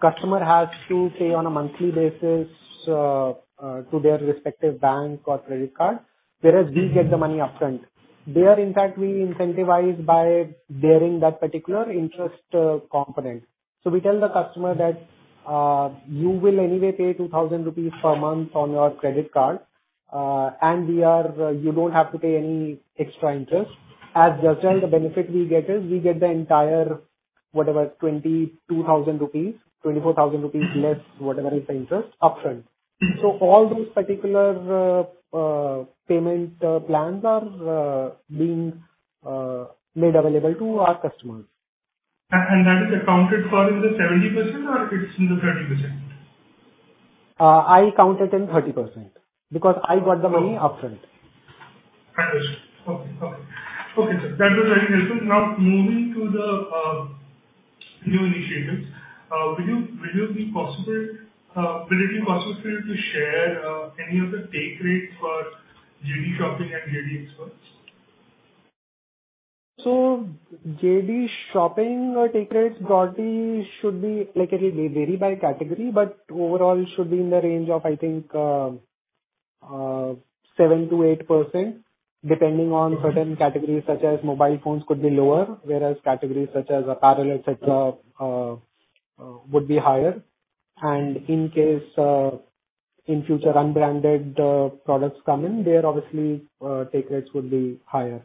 customer has to pay on a monthly basis to their respective bank or credit card, whereas we get the money upfront. In fact, we incentivize by bearing that particular interest component. We tell the customer that you will anyway pay 2,000 rupees per month on your credit card. You don't have to pay any extra interest. As Just Dial, the benefit we get is we get the entire, whatever, 22,000 rupees, 24,000 rupees less whatever is the interest upfront. Mm-hmm. All those particular payment plans are being made available to our customers. That is accounted for in the 70% or it's in the 30%? I count it in 30% because I got the money upfront. Understood. Okay, sir. That was very helpful. Now, moving to the new initiatives, will it be possible for you to share any of the take rates for JD Shopping and Jd Xperts? JD Shopping, take rates broadly should be, like I said, they vary by category, but overall should be in the range of, I think, 7%-8%, depending on- Mm-hmm. Certain categories, such as mobile phones, could be lower, whereas categories such as apparel, etc., would be higher. In case, in future, unbranded products come in, there obviously take rates would be higher.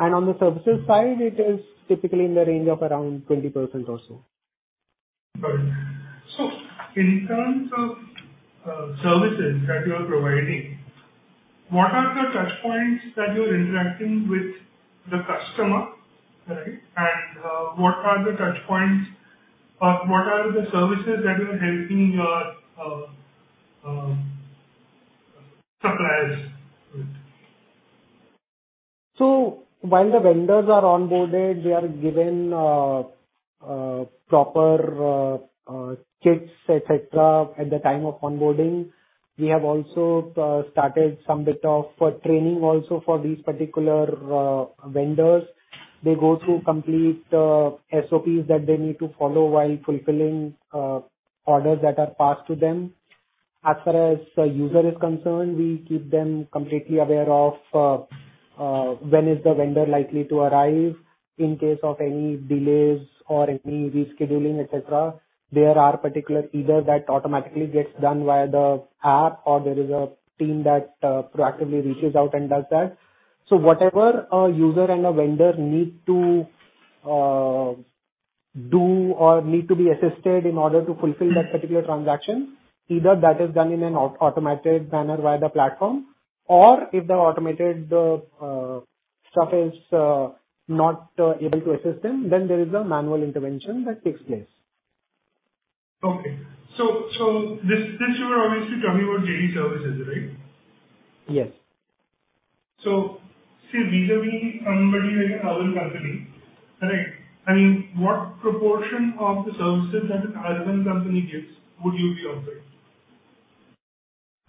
On the services side, it is typically in the range of around 20% or so. Got it. In terms of services that you are providing, what are the touch points that you're interacting with the customer, right? What are the touch points or what are the services that you are helping your suppliers with? While the vendors are onboarded, they are given proper kits, etc. at the time of onboarding. We have also started some bit of training also for these particular vendors. They go through complete SOPs that they need to follow while fulfilling orders that are passed to them. As far as the user is concerned, we keep them completely aware of when is the vendor likely to arrive. In case of any delays or any rescheduling, etc., there are particular alerts that automatically gets done via the app or there is a team that proactively reaches out and does that. Whatever a user and a vendor need to do or need to be assisted in order to fulfill that particular transaction, either that is done in an automated manner via the platform, or if the automated stuff is not able to assist them, then there is a manual intervention that takes place. Okay. This you are obviously telling me about JD Services, right? Yes. Say vis-à-vis somebody like an Urban Company, correct? I mean, what proportion of the services that an Urban Company gives would you be offering?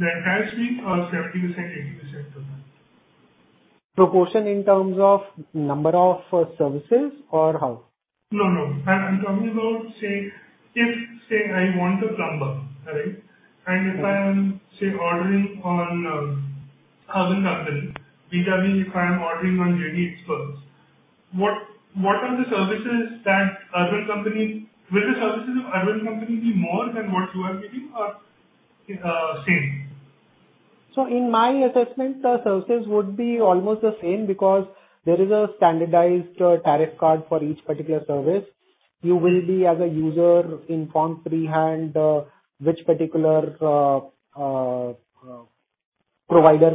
That can actually be 70%, 80% of that. Proportion in terms of number of services or how? No. I'm talking about, say, if I want a plumber, right? Mm-hmm. If I am, say, ordering on Urban Company vis-à-vis if I'm ordering on Jd Xperts, will the services of Urban Company be more than what you are giving or same? In my assessment, the services would be almost the same because there is a standardized tariff card for each particular service. You will be, as a user, informed beforehand which particular provider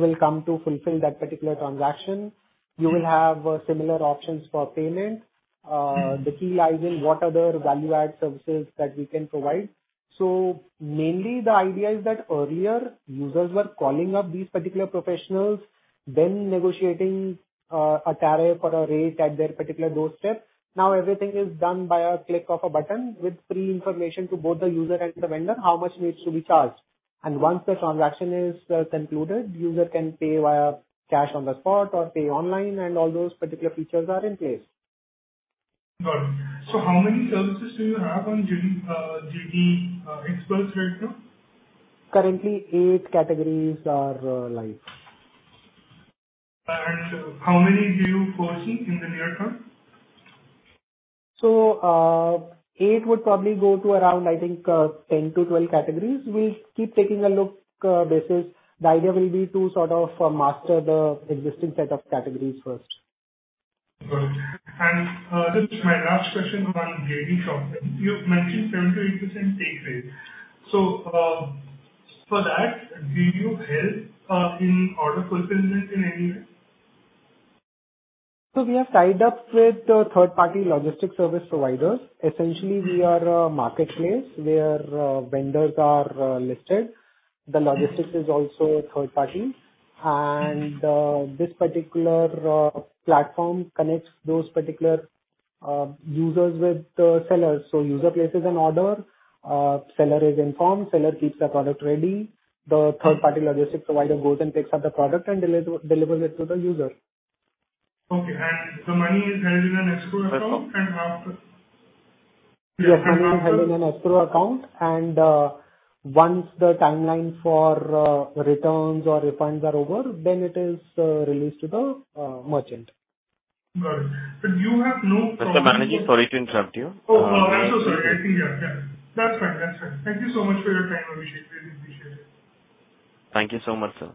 will come to fulfill that particular transaction. Mm-hmm. You will have similar options for payment. Mm-hmm. The key lies in what are the value-add services that we can provide. Mainly the idea is that earlier users were calling up these particular professionals, then negotiating, a tariff or a rate at their particular doorstep. Now everything is done by a click of a button with pre-information to both the user and the vendor, how much needs to be charged. Once the transaction is concluded, user can pay via cash on the spot or pay online, and all those particular features are in place. Got it. How many services do you have on JD Xperts right now? Currently eight categories are live. How many do you foresee in the near term? 8 would probably go to around, I think, 10-12 categories. We'll keep taking a look, basis. The idea will be to sort of master the existing set of categories first. Got it. This is my last question on JD Shopping. You've mentioned 78% take rate. For that, do you help in order fulfillment in any way? We have tied up with the third-party logistics service providers. Essentially, we are a marketplace where vendors are listed. The logistics is also third-party. This particular platform connects those particular users with the sellers. User places an order, seller is informed, seller keeps the product ready. The third-party logistics provider goes and picks up the product and delivers it to the user. Okay. The money is held in an escrow account and after Yes. Money is held in an escrow account, and once the timeline for returns or refunds are over, then it is released to the merchant. Got it. You have no Mr. Manji, sorry to interrupt you. No, I'm so sorry. I think, yeah. Yeah. That's fine. That's fine. Thank you so much for your time, Abhishek. Really appreciate it. Thank you so much, sir.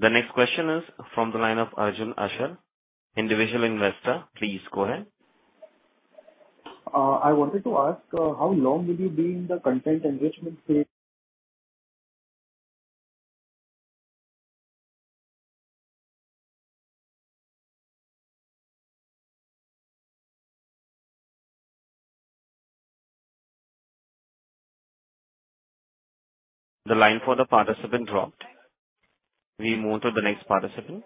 The next question is from the line of Arjun Ashar, Individual Investor. Please go ahead. I wanted to ask, how long will you be in the content enrichment space? The line for the participant dropped. We move to the next participant.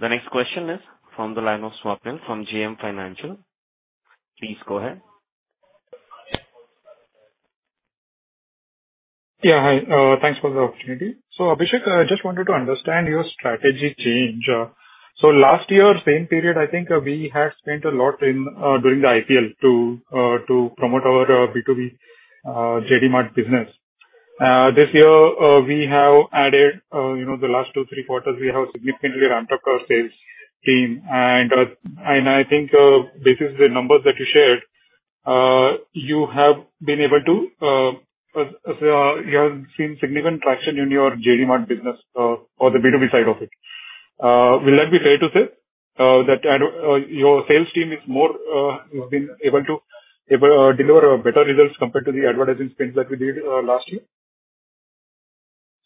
The next question is from the line of Swapnil from JM Financial. Please go ahead. Yeah. Hi. Thanks for the opportunity. Abhishek, I just wanted to understand your strategy change. Last year, same period, I think, we had spent a lot in doing the IPL to promote our B2B JD Mart business. This year, we have added, you know, the last Q2, Q3 we have significantly ramped up our sales team. I think, based on the numbers that you shared, you have been able to, you have seen significant traction in your JD Mart business, or the B2B side of it. Will that be fair to say, that your sales team is more, you've been able to deliver better results compared to the advertising spends that we did last year?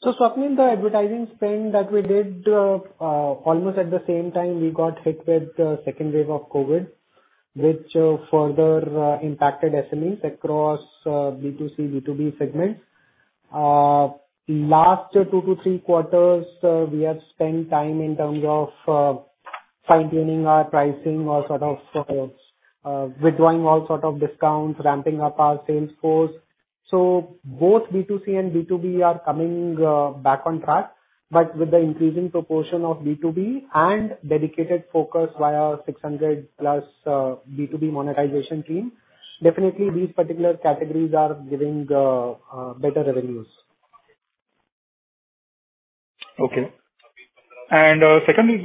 Swapnil, the advertising spend that we did, almost at the same time we got hit with the second wave of COVID, which further impacted SMEs across B2C, B2B segments. Last two to Q3, we have spent time in terms of, fine-tuning our pricing or sort of, withdrawing all sorts of discounts, ramping up our sales force. Both B2C and B2B are coming back on track. With the increasing proportion of B2B and dedicated focus via 600+ B2B monetization team, definitely these particular categories are giving better revenues. Okay. Secondly,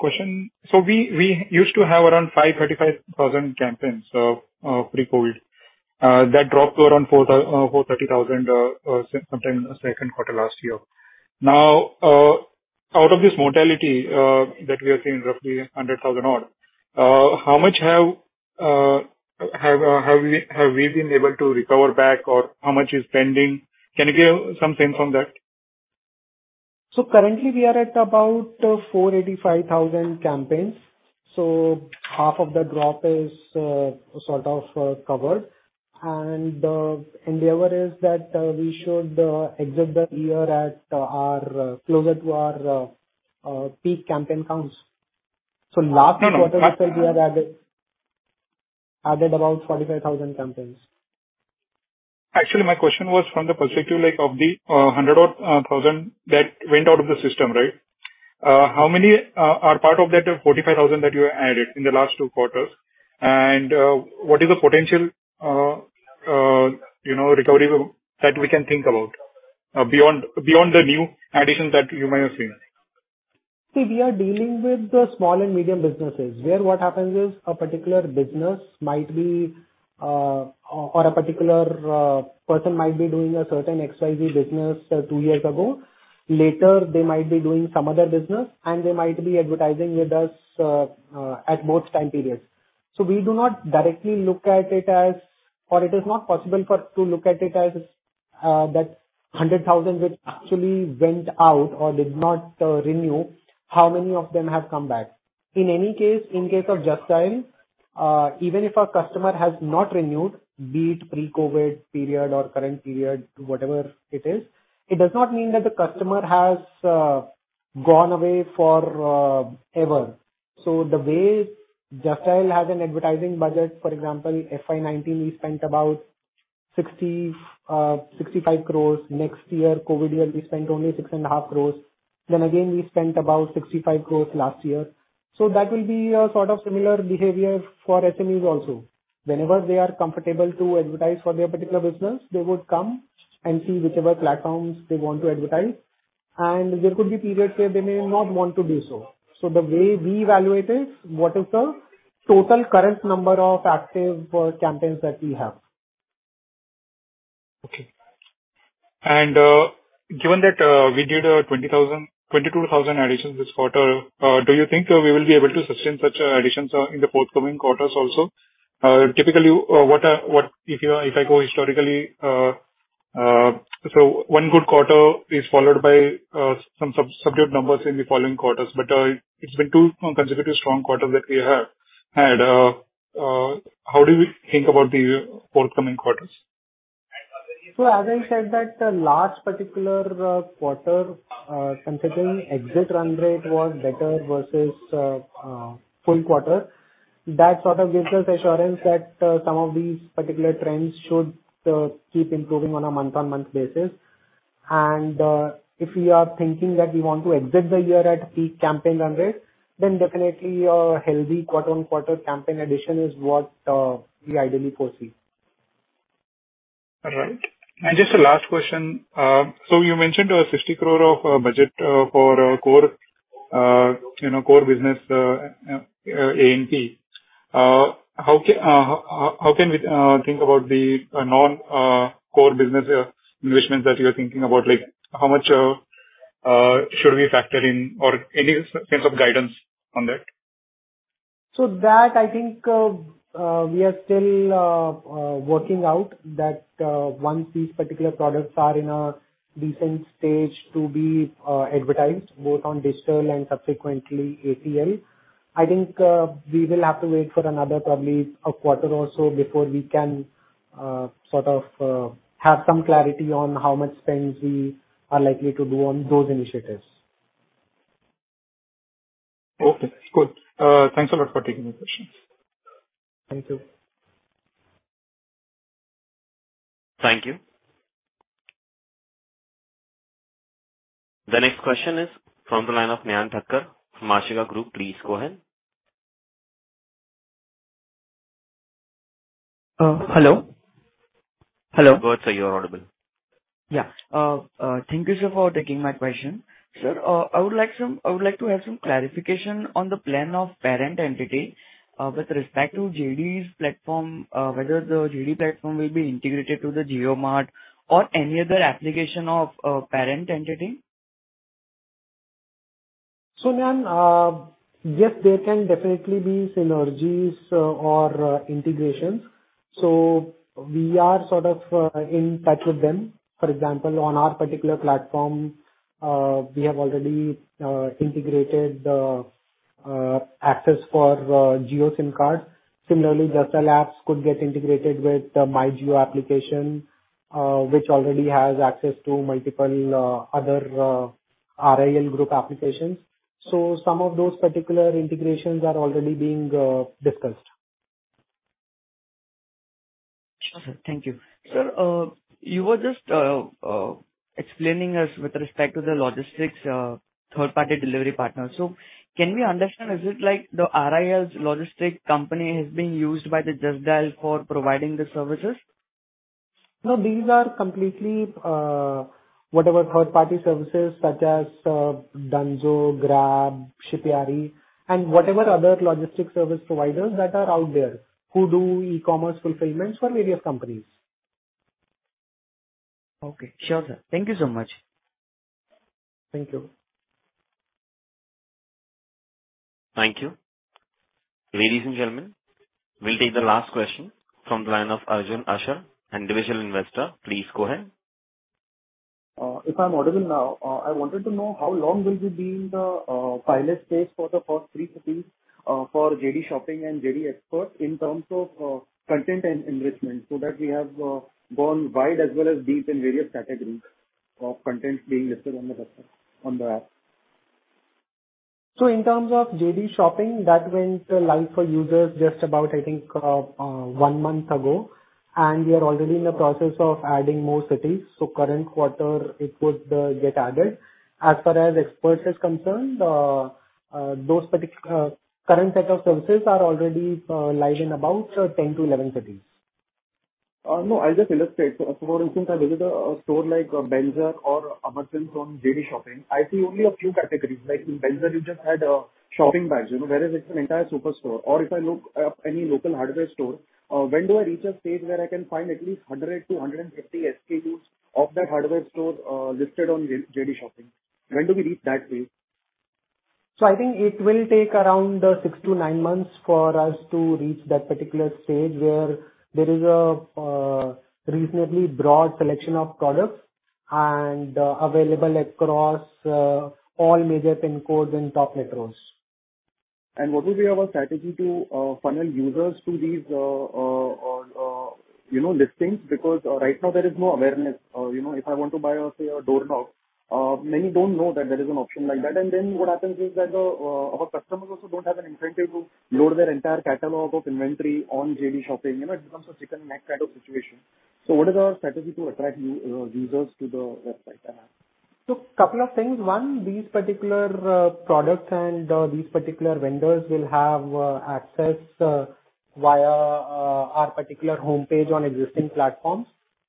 question. We used to have around 535,000 campaigns pre-COVID. That dropped to around 430,000 sometime Q2 last year. Out of this mortality that we are seeing roughly under 1,000 odd, how much have we been able to recover back or how much is pending? Can you give something from that? Currently we are at about 485,000 campaigns. Half of the drop is sort of covered. Endeavor is that we should exit the year at our closer to our peak campaign counts. Last quarter we have added about 45,000 campaigns. Actually, my question was from the perspective like of the 100 odd thousand that went out of the system, right? How many are part of that 45,000 that you added in the last Q2? What is the potential, you know, recovery that we can think about, beyond the new additions that you might have seen? See, we are dealing with the small and medium businesses, where what happens is a particular business might be, or a particular person might be doing a certain XYZ business, two years ago. Later, they might be doing some other business, and they might be advertising with us, at both time periods. Or it is not possible for to look at it as, that 100,000 which actually went out or did not renew, how many of them have come back. In any case, in case of Just Dial, even if a customer has not renewed, be it pre-COVID period or current period, whatever it is, it does not mean that the customer has gone away forever. The way Just Dial has an advertising budget, for example, FY 2019 we spent about 65 crore. Next year, COVID year, we spent only 6.5 crore. Again, we spent about 65 crore last year. That will be a sort of similar behavior for SMEs also. Whenever they are comfortable to advertise for their particular business, they would come and see whichever platforms they want to advertise. There could be periods where they may not want to do so. The way we evaluate is what is the total current number of active campaigns that we have. Okay. Given that we did 22,000 additions this quarter, do you think we will be able to sustain such additions in the forthcoming quarters also? Typically, if I go historically, one good quarter is followed by some subdued numbers in the following quarters, but it's been two consecutive strong quarters that we have had. How do we think about the forthcoming quarters? As I said that the last particular quarter considering exit run rate was better versus full quarter. That sort of gives us assurance that some of these particular trends should keep improving on a month-on-month basis. If we are thinking that we want to exit the year at peak campaign run rate, then definitely a healthy quarter-on-quarter campaign addition is what we ideally foresee. All right. Just the last question. You mentioned 60 crore of budget for our core, you know, core business A&P. How can we think about the non-core business investments that you're thinking about? Like, how much should we factor in or any sense of guidance on that? I think we are still working out that once these particular products are in a decent stage to be advertised both on digital and subsequently ATL. I think we will have to wait for another probably a quarter or so before we can sort of have some clarity on how much spends we are likely to do on those initiatives. Okay, cool. Thanks a lot for taking the questions. Thank you. Thank you. The next question is from the line of Nayan Thakkar from Ashika Group. Please go ahead. Hello. Hello. Go ahead, sir. You're audible. Yeah. Thank you, sir, for taking my question. Sir, I would like to have some clarification on the plan of parent entity with respect to JD's platform, whether the JD platform will be integrated to the JioMart or any other application of parent entity. Nayan, yes, there can definitely be synergies or integrations. We are sort of in touch with them. For example, on our particular platform, we have already integrated access for Jio SIM card. Similarly, Just Dial apps could get integrated with MyJio application, which already has access to multiple other RIL group applications. Some of those particular integrations are already being discussed. Sure, sir. Thank you. Sir, you were just explaining to us with respect to the logistics, third-party delivery partners. Can we understand, is it like the RIL's logistics company is being used by the Just Dial for providing the services? No, these are completely whatever third-party services such as Dunzo, Grab, Shipyaari and whatever other logistics service providers that are out there who do e-commerce fulfillments for various companies. Okay. Sure, sir. Thank you so much. Thank you. Thank you. Ladies and gentlemen, we'll take the last question from the line of Arjun Ashar, individual investor. Please go ahead. If I'm audible now, I wanted to know how long will we be in the pilot phase for the first three cities for JD Shopping and JD Xperts in terms of content and enrichment so that we have gone wide as well as deep in various categories of content being listed on the website, on the app. In terms of JD Shopping, that went live for users just about, I think, one month ago, and we are already in the process of adding more cities. Current quarter it would get added. As far as Jd Xperts is concerned, current set of services are already live in about 10-11 cities. No, I'll just illustrate. For instance, I visit a store like Benzer or Amarsons from JD Shopping. I see only a few categories. Like in Benzer, you just had shopping bags, you know, whereas it's an entire super store. Or if I look up any local hardware store, when do I reach a stage where I can find at least 100 to 150 SKUs of that hardware stores listed on JD Shopping? When do we reach that phase? I think it will take around six-nine months for us to reach that particular stage where there is a reasonably broad selection of products available across all major PIN codes and top metros. What will be our strategy to funnel users to these, you know, listings? Because right now there is no awareness. You know, if I want to buy, say, a door knob, many don't know that there is an option like that. Then what happens is that our customers also don't have an incentive to load their entire catalog of inventory on JD Shopping. You know, it becomes a chicken and egg kind of situation. What is our strategy to attract users to the website and app? Couple of things. One, these particular products and these particular vendors will have access via our particular homepage on existing platforms.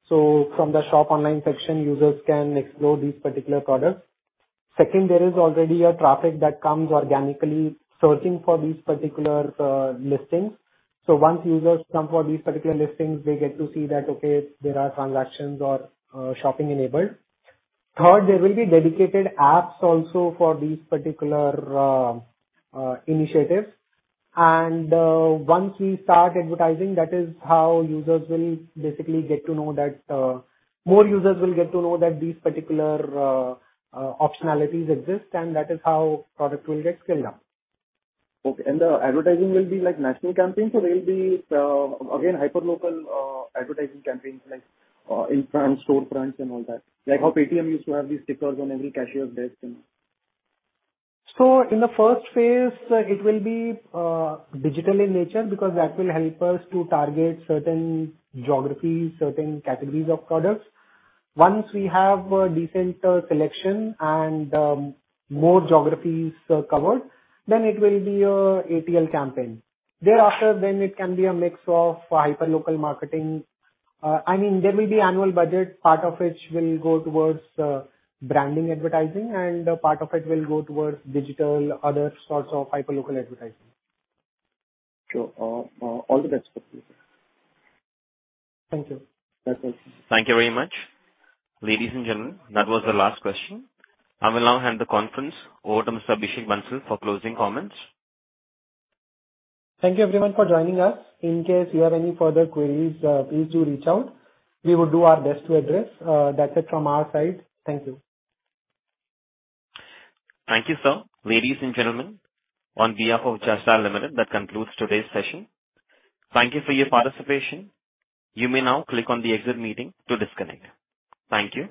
From the shop online section, users can explore these particular products. Second, there is already a traffic that comes organically searching for these particular listings. Once users come for these particular listings, they get to see that, okay, there are transactions or shopping enabled. Third, there will be dedicated apps also for these particular initiatives. Once we start advertising, that is how users will basically get to know that more users will get to know that these particular optionalities exist, and that is how product will get scaled up. Okay. The advertising will be like national campaign, so there will be, again, hyperlocal, advertising campaigns like, in-store fronts and all that. Like how Paytm used to have these stickers on every cashier's desk and. In the first phase, it will be digital in nature because that will help us to target certain geographies, certain categories of products. Once we have a decent selection and more geographies covered, then it will be a ATL campaign. Thereafter, then it can be a mix of hyperlocal marketing. I mean, there will be annual budget, part of which will go towards branding advertising, and a part of it will go towards digital, other sorts of hyperlocal advertising. Sure. All the best for future. Thank you. Thank you. Thank you very much. Ladies and gentlemen, that was the last question. I will now hand the conference over to Mr. Abhishek Bansal for closing comments. Thank you everyone for joining us. In case you have any further queries, please do reach out. We will do our best to address. That's it from our side. Thank you. Thank you, sir. Ladies and gentlemen, on behalf of Just Dial Limited, that concludes today's session. Thank you for your participation. You may now click on the Exit Meeting to disconnect. Thank you.